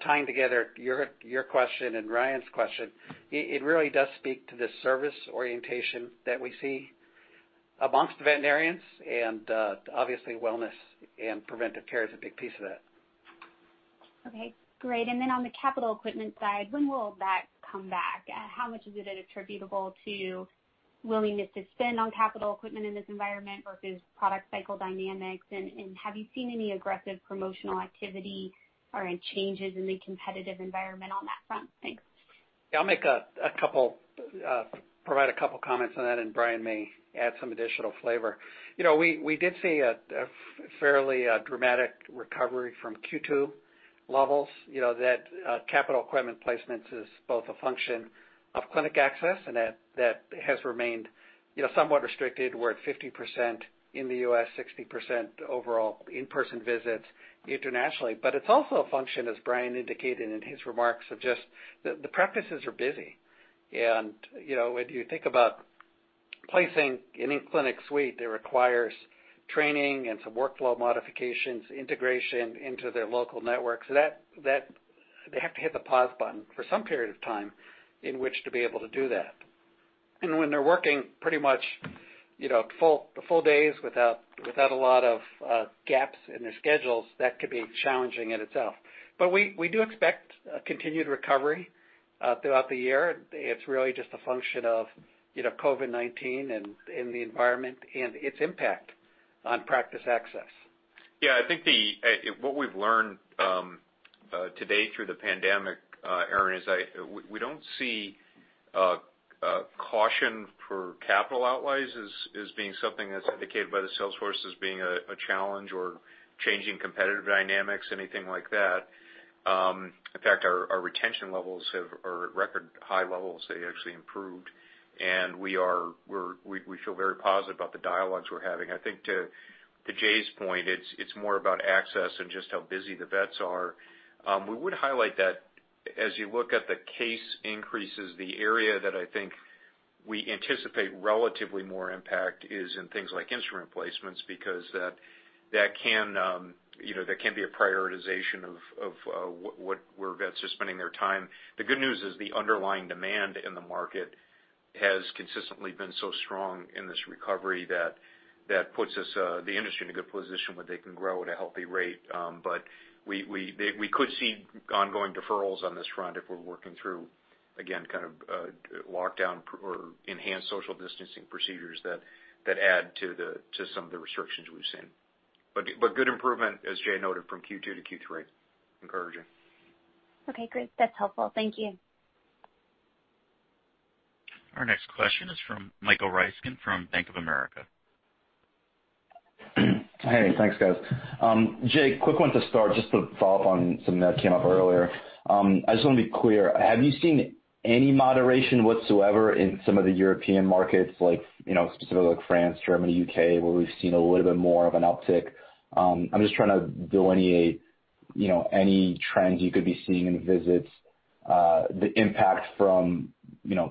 S3: tying together your question and Ryan's question, it really does speak to the service orientation that we see amongst the veterinarians, and obviously, wellness and preventive care is a big piece of that.
S5: Okay, great. On the capital equipment side, when will that come back? How much of it is attributable to willingness to spend on capital equipment in this environment versus product cycle dynamics? Have you seen any aggressive promotional activity or any changes in the competitive environment on that front? Thanks.
S3: Yeah, I'll provide a couple comments on that, and Brian may add some additional flavor. We did see a fairly dramatic recovery from Q2 levels. That capital equipment placement is both a function of clinic access, and that has remained somewhat restricted. We're at 50% in the U.S., 60% overall in-person visits internationally. It's also a function, as Brian indicated in his remarks, of just the practices are busy. If you think about placing an in-clinic suite, it requires training and some workflow modifications, integration into their local network. They have to hit the pause button for some period of time in which to be able to do that. When they're working pretty much full days without a lot of gaps in their schedules, that could be challenging in itself. We do expect a continued recovery throughout the year. It's really just a function of COVID-19 and the environment and its impact on practice access.
S2: Yeah, I think what we've learned to date through the pandemic, Erin, is we don't see caution for capital outlays as being something that's indicated by the sales force as being a challenge or changing competitive dynamics, anything like that. In fact, our retention levels are at record high levels. They actually improved. We feel very positive about the dialogues we're having. I think to Jay's point, it's more about access and just how busy the vets are. We would highlight that as you look at the case increases, the area that we anticipate relatively more impact is in things like instrument placements because there can be a prioritization of where vets are spending their time. The good news is the underlying demand in the market has consistently been so strong in this recovery that puts the industry in a good position where they can grow at a healthy rate. We could see ongoing deferrals on this front if we're working through, again, lockdown or enhanced social distancing procedures that add to some of the restrictions we've seen. Good improvement, as Jay noted, from Q2 to Q3. Encouraging.
S5: Okay, great. That's helpful. Thank you.
S1: Our next question is from Michael Ryskin from Bank of America.
S6: Hey, thanks, guys. Jay, quick one to start, just to follow up on something that came up earlier. I just want to be clear, have you seen any moderation whatsoever in some of the European markets, specifically like France, Germany, U.K., where we've seen a little bit more of an uptick? I'm just trying to delineate any trends you could be seeing in visits, the impact from,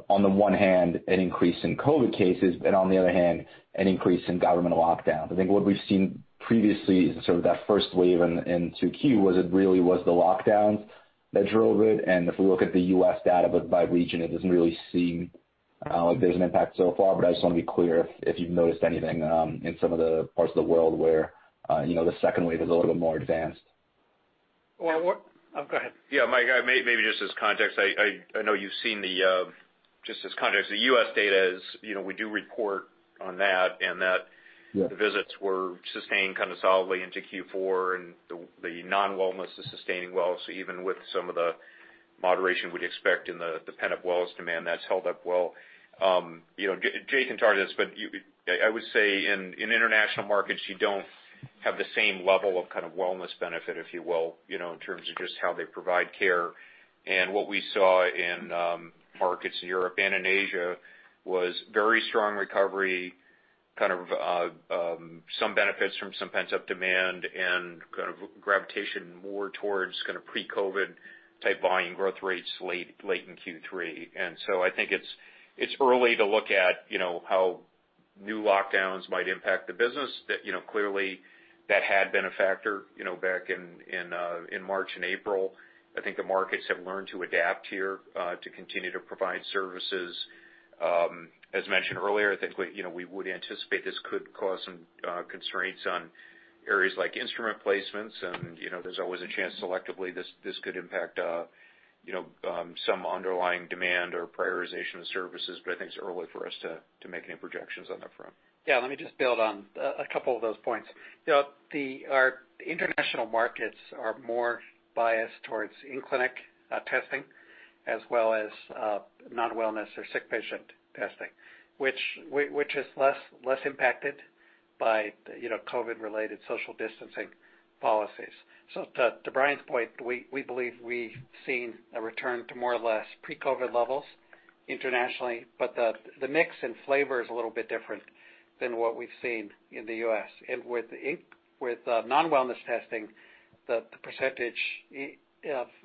S6: on the one hand, an increase in COVID cases, and on the other hand, an increase in government lockdowns. I think what we've seen previously is sort of that first wave in 2Q, was it really was the lockdowns that drove it. If we look at the U.S. data, but by region, it doesn't really seem like there's an impact so far. I just want to be clear if you've noticed anything in some of the parts of the world where the second wave is a little bit more advanced?
S3: Well, Oh, go ahead.
S2: Mike, maybe just as context, just as context, the U.S. data is, we do report on that.
S6: Yeah.
S2: The visits were sustained kind of solidly into Q4, and the non-wellness is sustaining well. Even with some of the moderation we'd expect in the pent-up wellness demand, that's held up well. Jay can talk to this, but I would say in international markets, you don't have the same level of kind of wellness benefit, if you will, in terms of just how they provide care. What we saw in markets in Europe and in Asia was very strong recovery, kind of some benefits from some pent-up demand and kind of gravitation more towards kind of pre-COVID type volume growth rates late in Q3. I think it's early to look at how new lockdowns might impact the business. Clearly, that had been a factor back in March and April. I think the markets have learned to adapt here to continue to provide services. As mentioned earlier, I think we would anticipate this could cause some constraints on areas like instrument placements, and there's always a chance selectively this could impact some underlying demand or prioritization of services, but I think it's early for us to make any projections on that front.
S3: Yeah, let me just build on a couple of those points. Our international markets are more biased towards in-clinic testing, as well as non-wellness or sick patient testing, which is less impacted by COVID-related social distancing policies. To Brian's point, we believe we've seen a return to more or less pre-COVID levels internationally, but the mix and flavor is a little bit different than what we've seen in the U.S. With non-wellness testing, the percentage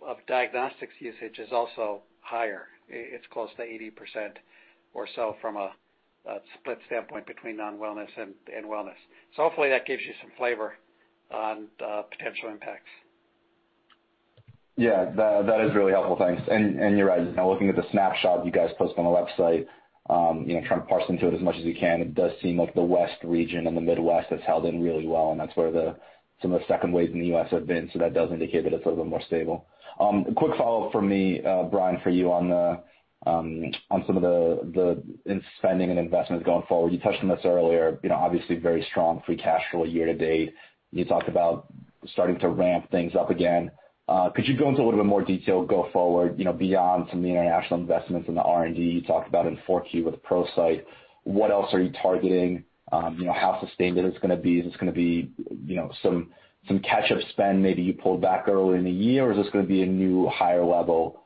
S3: of diagnostics usage is also higher. It's close to 80% or so from a split standpoint between non-wellness and wellness. Hopefully that gives you some flavor on the potential impacts.
S6: Yeah, that is really helpful. Thanks. You're right. Looking at the snapshot you guys post on the website, trying to parse into it as much as we can, it does seem like the west region and the Midwest has held in really well, and that's where some of the second waves in the U.S. have been. That does indicate that it's a little more stable. Quick follow-up from me, Brian, for you on some of the spending and investments going forward. You touched on this earlier, obviously very strong free cash flow year to date. You talked about starting to ramp things up again. Could you go into a little bit more detail go forward, beyond some of the international investments and the R&D you talked about in 4Q with ProCyte? What else are you targeting? How sustained is this going to be? Is this going to be some catch-up spend maybe you pulled back early in the year, or is this going to be a new higher level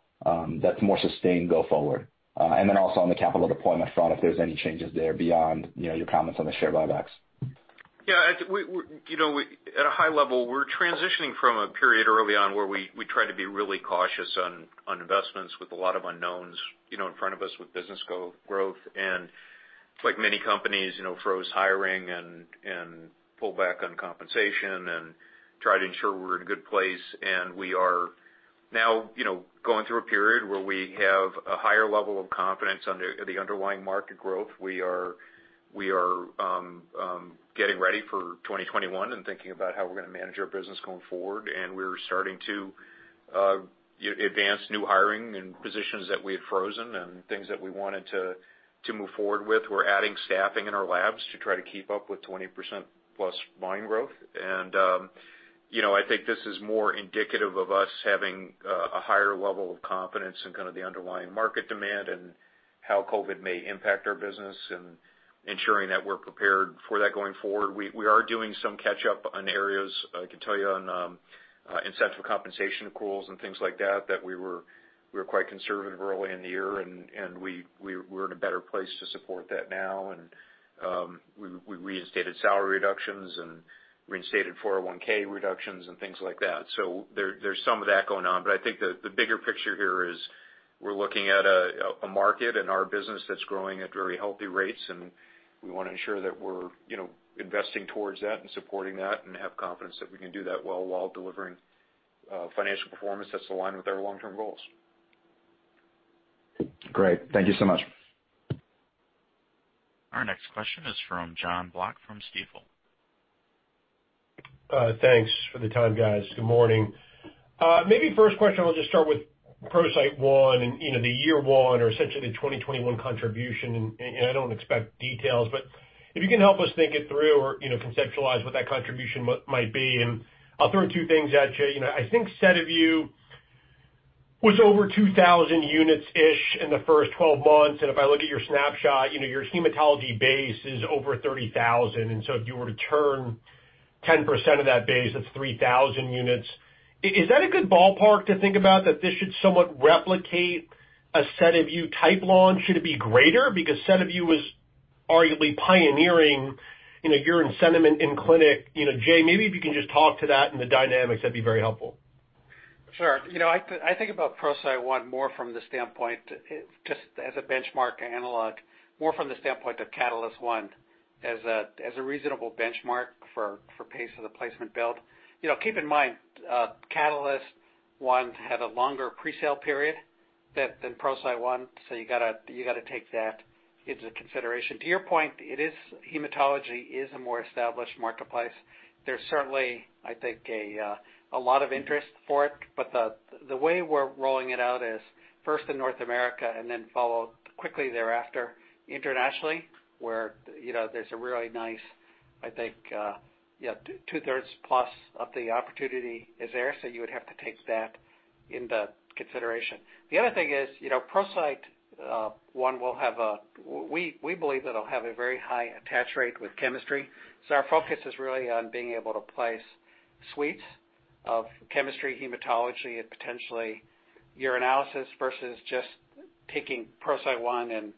S6: that's more sustained go forward? Also on the capital deployment front, if there's any changes there beyond your comments on the share buybacks.
S2: Yeah. At a high level, we're transitioning from a period early on where we tried to be really cautious on investments with a lot of unknowns in front of us with business growth. Like many companies, froze hiring and pulled back on compensation and tried to ensure we were in a good place. We are now going through a period where we have a higher level of confidence on the underlying market growth. We are getting ready for 2021 and thinking about how we're going to manage our business going forward, and we're starting to advance new hiring in positions that we had frozen and things that we wanted to move forward with. We're adding staffing in our labs to try to keep up with 20%+ volume growth. I think this is more indicative of us having a higher level of confidence in kind of the underlying market demand and how COVID may impact our business and ensuring that we're prepared for that going forward. We are doing some catch-up on areas, I can tell you, on incentive compensation pools and things like that we were quite conservative early in the year, and we're in a better place to support that now. We reinstated salary reductions and reinstated 401(k) reductions and things like that. There's some of that going on. I think the bigger picture here is we're looking at a market and our business that's growing at very healthy rates, and we want to ensure that we're investing towards that and supporting that and have confidence that we can do that well while delivering financial performance that's aligned with our long-term goals.
S6: Great. Thank you so much.
S1: Our next question is from John Block from Stifel.
S7: Thanks for the time, guys. Good morning. Maybe first question, I'll just start with ProCyte One and the year one or essentially the 2021 contribution, I don't expect details, but if you can help us think it through or conceptualize what that contribution might be. I'll throw two things at you. I think SediVue was over 2,000 units-ish in the first 12 months. If I look at your snapshot, your hematology base is over 30,000. If you were to turn 10% of that base, that's 3,000 units. Is that a good ballpark to think about that this should somewhat replicate a SediVue type launch? Should it be greater? Because SediVue was arguably pioneering urine sediment in clinic. Jay, maybe if you can just talk to that and the dynamics, that'd be very helpful.
S3: Sure. I think about ProCyte One more from the standpoint, just as a benchmark analog, more from the standpoint of Catalyst One as a reasonable benchmark for pace of the placement build. Keep in mind, Catalyst One had a longer pre-sale period than ProCyte One, so you got to take that into consideration. To your point, hematology is a more established marketplace. There's certainly, I think, a lot of interest for it, the way we're rolling it out is first in North America and then followed quickly thereafter internationally, where there's a really nice, I think, two-thirds plus of the opportunity is there, so you would have to take that into consideration. The other thing is, ProCyte One, we believe that it'll have a very high attach rate with chemistry. Our focus is really on being able to place suites of chemistry, hematology, and potentially urinalysis versus just taking ProCyte One and,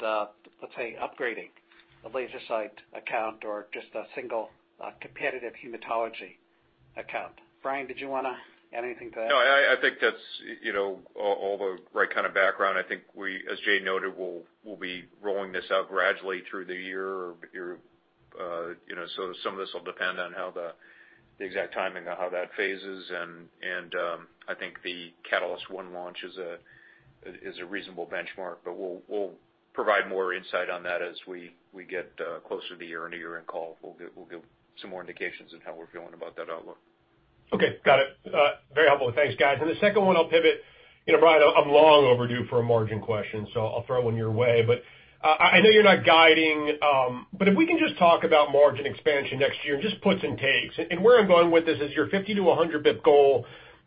S3: let's say, upgrading a LaserCyte account or just a single competitive hematology account. Brian, did you want to add anything to that?
S2: No, I think that's all the right kind of background. I think we, as Jay noted, we'll be rolling this out gradually through the year. Some of this will depend on the exact timing of how that phases, and I think the Catalyst One launch is a reasonable benchmark. We'll provide more insight on that as we get closer to year-end. In the year-end call, we'll give some more indications on how we're feeling about that outlook.
S7: Okay. Got it. Very helpful. Thanks, guys. The second one, I'll pivot. Brian, I'm long overdue for a margin question, so I'll throw one your way. I know you're not guiding, but if we can just talk about margin expansion next year and just puts and takes. Where I'm going with this is your 50-100 basis points goal.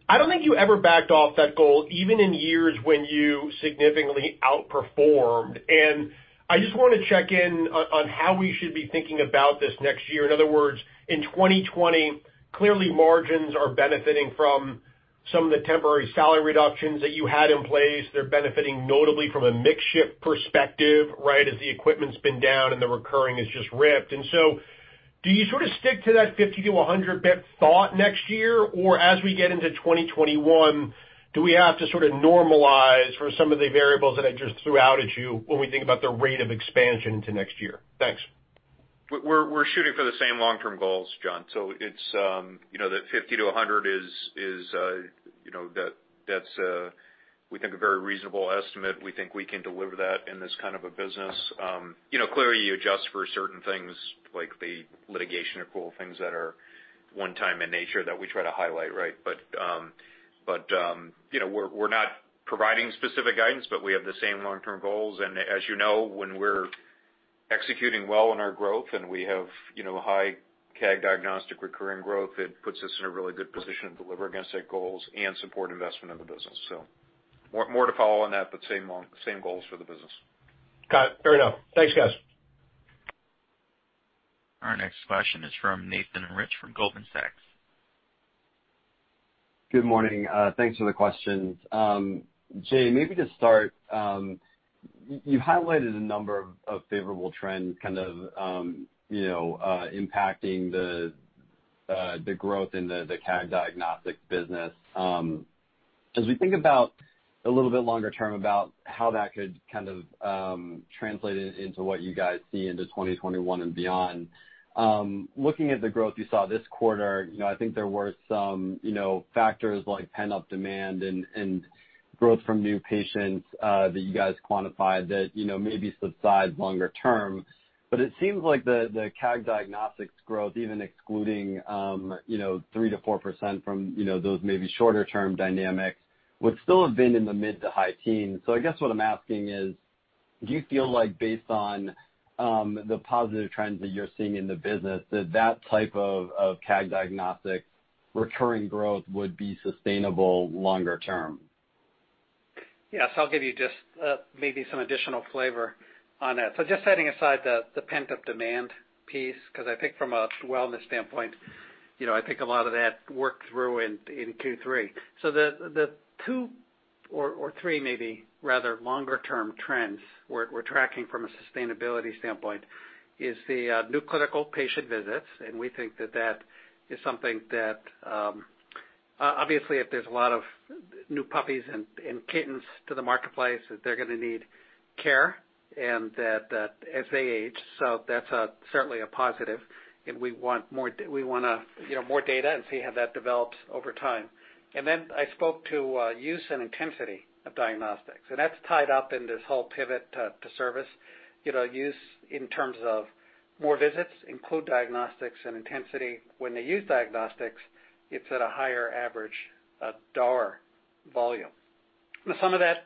S7: I don't think you ever backed off that goal, even in years when you significantly outperformed. I just want to check in on how we should be thinking about this next year. In other words, in 2020, clearly margins are benefiting from some of the temporary salary reductions that you had in place. They're benefiting notably from a mix shift perspective, as the equipment's been down and the recurring has just ripped. Do you sort of stick to that 50-100 basis points thought next year? As we get into 2021, do we have to sort of normalize for some of the variables that I just threw out at you when we think about the rate of expansion into next year? Thanks.
S2: We're shooting for the same long-term goals, John. That 50-100, that's we think a very reasonable estimate. We think we can deliver that in this kind of a business. Clearly, you adjust for certain things like the litigation accrual, things that are one-time in nature that we try to highlight. We're not providing specific guidance, but we have the same long-term goals. As you know, when we're executing well on our growth and we have high CAG Diagnostics recurring growth, it puts us in a really good position to deliver against our goals and support investment in the business. More to follow on that, but same goals for the business.
S7: Got it. Fair enough. Thanks, guys.
S1: Our next question is from Nathan Rich from Goldman Sachs.
S8: Good morning. Thanks for the questions. Jay, maybe to start, you've highlighted a number of favorable trends kind of impacting the growth in the CAG Diagnostics business. As we think about, a little bit longer term, about how that could kind of translate into what you guys see into 2021 and beyond. Looking at the growth you saw this quarter, I think there were some factors like pent-up demand and growth from new patients that you guys quantified that maybe subside longer term. It seems like the CAG Diagnostics growth, even excluding 3%-4% from those maybe shorter-term dynamics, would still have been in the mid to high teens. I guess what I'm asking is, do you feel like based on the positive trends that you're seeing in the business, that type of CAG Diagnostics recurring growth would be sustainable longer term?
S3: Yes, I'll give you just maybe some additional flavor on that. Just setting aside the pent-up demand piece, because I think from a wellness standpoint, I think a lot of that worked through in Q3. The two or three, maybe rather longer-term trends we're tracking from a sustainability standpoint is the new clinical patient visits, and we think that is something that, obviously, if there's a lot of new puppies and kittens to the marketplace, they're going to need care and that as they age. That's certainly a positive, and we want more data and see how that develops over time. I spoke to use and intensity of diagnostics, and that's tied up in this whole pivot to service. Use in terms of more visits include diagnostics and intensity. When they use diagnostics, it's at a higher average dollar volume. Some of that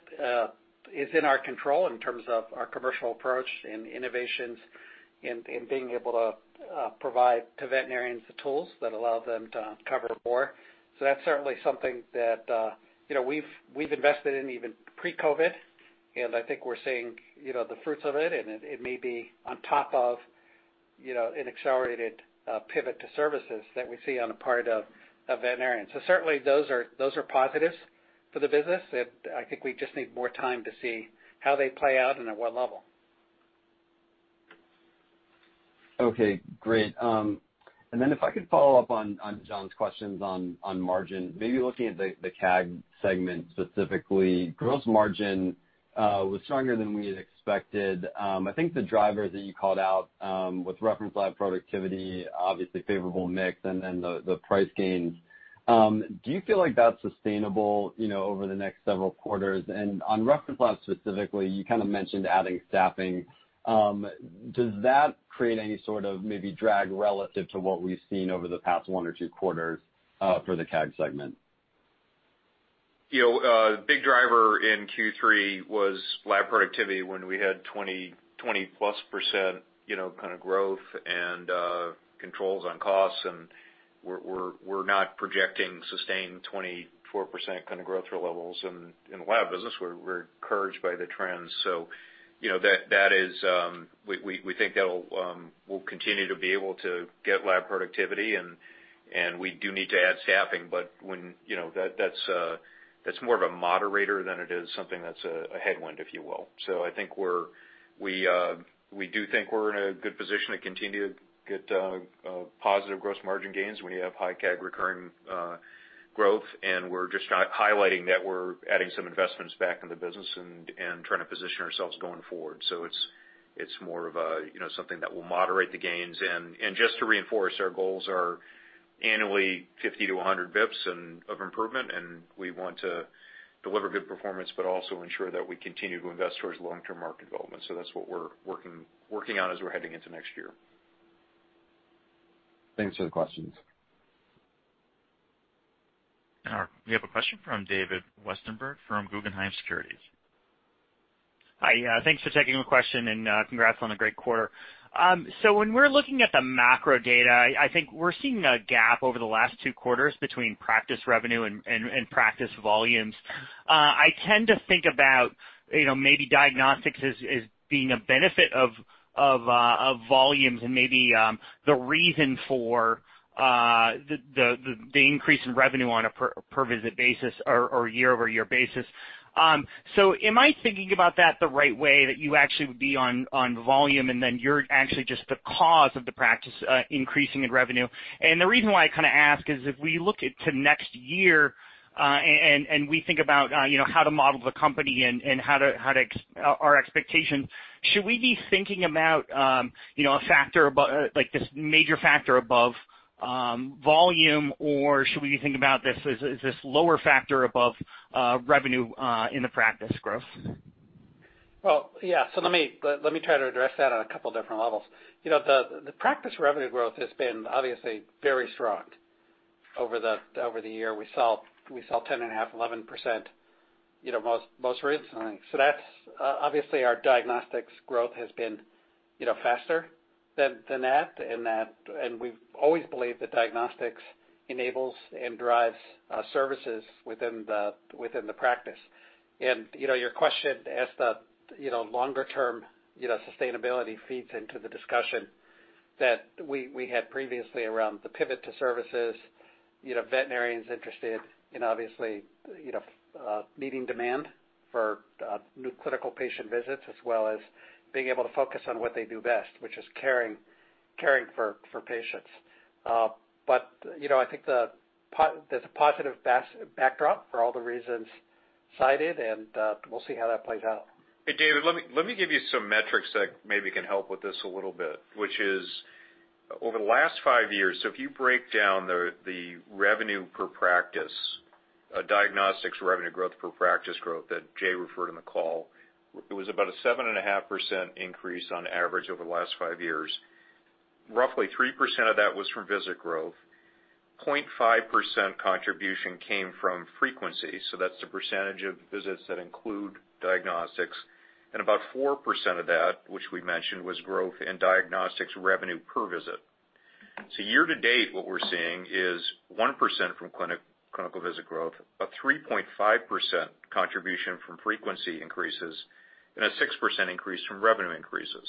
S3: is in our control in terms of our commercial approach and innovations in being able to provide to veterinarians the tools that allow them to cover more. That's certainly something that we've invested in even pre-COVID, and I think we're seeing the fruits of it, and it may be on top of an accelerated pivot to services that we see on a part of a veterinarian. Certainly those are positives for the business. I think we just need more time to see how they play out and at what level.
S8: Okay, great. Then if I could follow up on John's questions on margin. Maybe looking at the CAG segment specifically, gross margin was stronger than we had expected. I think the driver that you called out, with reference lab productivity, obviously favorable mix and then the price gains. Do you feel like that's sustainable over the next several quarters? On reference labs specifically, you kind of mentioned adding staffing. Does that create any sort of maybe drag relative to what we've seen over the past one or two quarters, for the CAG segment?
S2: Big driver in Q3 was lab productivity when we had 20%+ kind of growth and controls on costs. We're not projecting sustained 24% kind of growth rates levels in the lab business. We're encouraged by the trends. We think that we'll continue to be able to get lab productivity and we do need to add staffing, but that's more of a moderator than it is something that's a headwind, if you will. I think we do think we're in a good position to continue to get positive gross margin gains. We have high CAG recurring growth, and we're just highlighting that we're adding some investments back in the business and trying to position ourselves going forward. It's more of something that will moderate the gains. Just to reinforce, our goals are annually 50-100 basis points of improvement, and we want to deliver good performance, but also ensure that we continue to invest towards long-term market development. That's what we're working on as we're heading into next year.
S8: Thanks for the questions.
S1: All right, we have a question from David Westenberg from Guggenheim Securities.
S9: Hi. Yeah. Thanks for taking my question and congrats on a great quarter. When we're looking at the macro data, I think we're seeing a gap over the last two quarters between practice revenue and practice volumes. I tend to think about maybe diagnostics as being a benefit of volumes and maybe the reason for the increase in revenue on a per visit basis or year-over-year basis. Am I thinking about that the right way, that you actually would be on volume, you're actually just the cause of the practice increasing in revenue? The reason why I ask is, if we look into next year, we think about how to model the company and our expectations, should we be thinking about this major factor above volume, or should we think about this as this lower factor above revenue in the practice growth?
S3: Well, yeah. Let me try to address that on a couple different levels. The practice revenue growth has been obviously very strong over the year. We saw 10.5%, 11% most recently. Obviously, our diagnostics growth has been faster than that, and we've always believed that diagnostics enables and drives services within the practice. Your question as the longer-term sustainability feeds into the discussion that we had previously around the pivot to services, veterinarians interested in obviously, meeting demand for new clinical patient visits, as well as being able to focus on what they do best, which is caring for patients. I think there's a positive backdrop for all the reasons cited, and we'll see how that plays out.
S2: Hey, David, let me give you some metrics that maybe can help with this a little bit, which is, over the last five years, so if you break down the revenue per practice, diagnostics revenue growth per practice growth that Jay referred to in the call, it was about a 7.5% increase on average over the last five years. Roughly 3% of that was from visit growth, 0.5% contribution came from frequency. That's the percentage of visits that include diagnostics. About 4% of that, which we mentioned, was growth in diagnostics revenue per visit. Year to date, what we're seeing is 1% from clinical visit growth, a 3.5% contribution from frequency increases, and a 6% increase from revenue increases.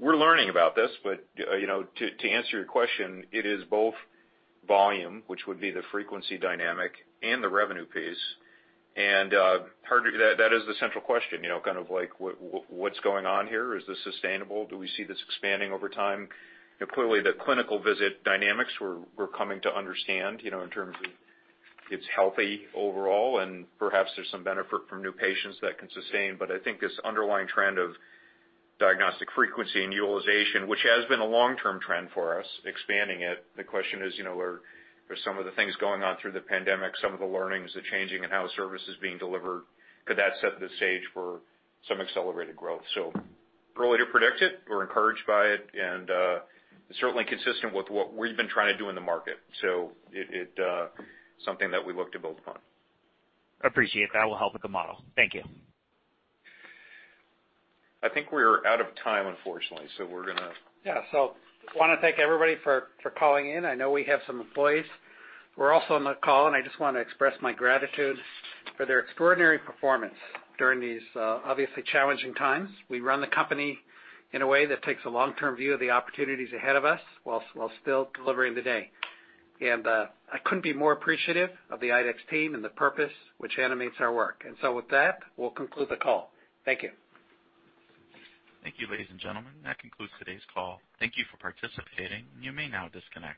S2: We're learning about this, but to answer your question, it is both volume, which would be the frequency dynamic and the revenue piece. That is the central question, kind of like, what's going on here? Is this sustainable? Do we see this expanding over time? Clearly, the clinical visit dynamics we're coming to understand, in terms of it's healthy overall, and perhaps there's some benefit from new patients that can sustain. I think this underlying trend of diagnostic frequency and utilization, which has been a long-term trend for us, expanding it, the question is are some of the things going on through the pandemic, some of the learnings, the changing in how service is being delivered, could that set the stage for some accelerated growth? Early to predict it. We're encouraged by it, and certainly consistent with what we've been trying to do in the market. It's something that we look to build upon.
S9: Appreciate that. Will help with the model. Thank you.
S2: I think we're out of time unfortunately.
S3: Yeah. Want to thank everybody for calling in. I know we have some employees who are also on the call, and I just want to express my gratitude for their extraordinary performance during these obviously challenging times. We run the company in a way that takes a long-term view of the opportunities ahead of us while still delivering the day. I couldn't be more appreciative of the IDEXX team and the purpose which animates our work. With that, we'll conclude the call. Thank you.
S1: Thank you, ladies and gentlemen. That concludes today's call. Thank you for participating. You may now disconnect.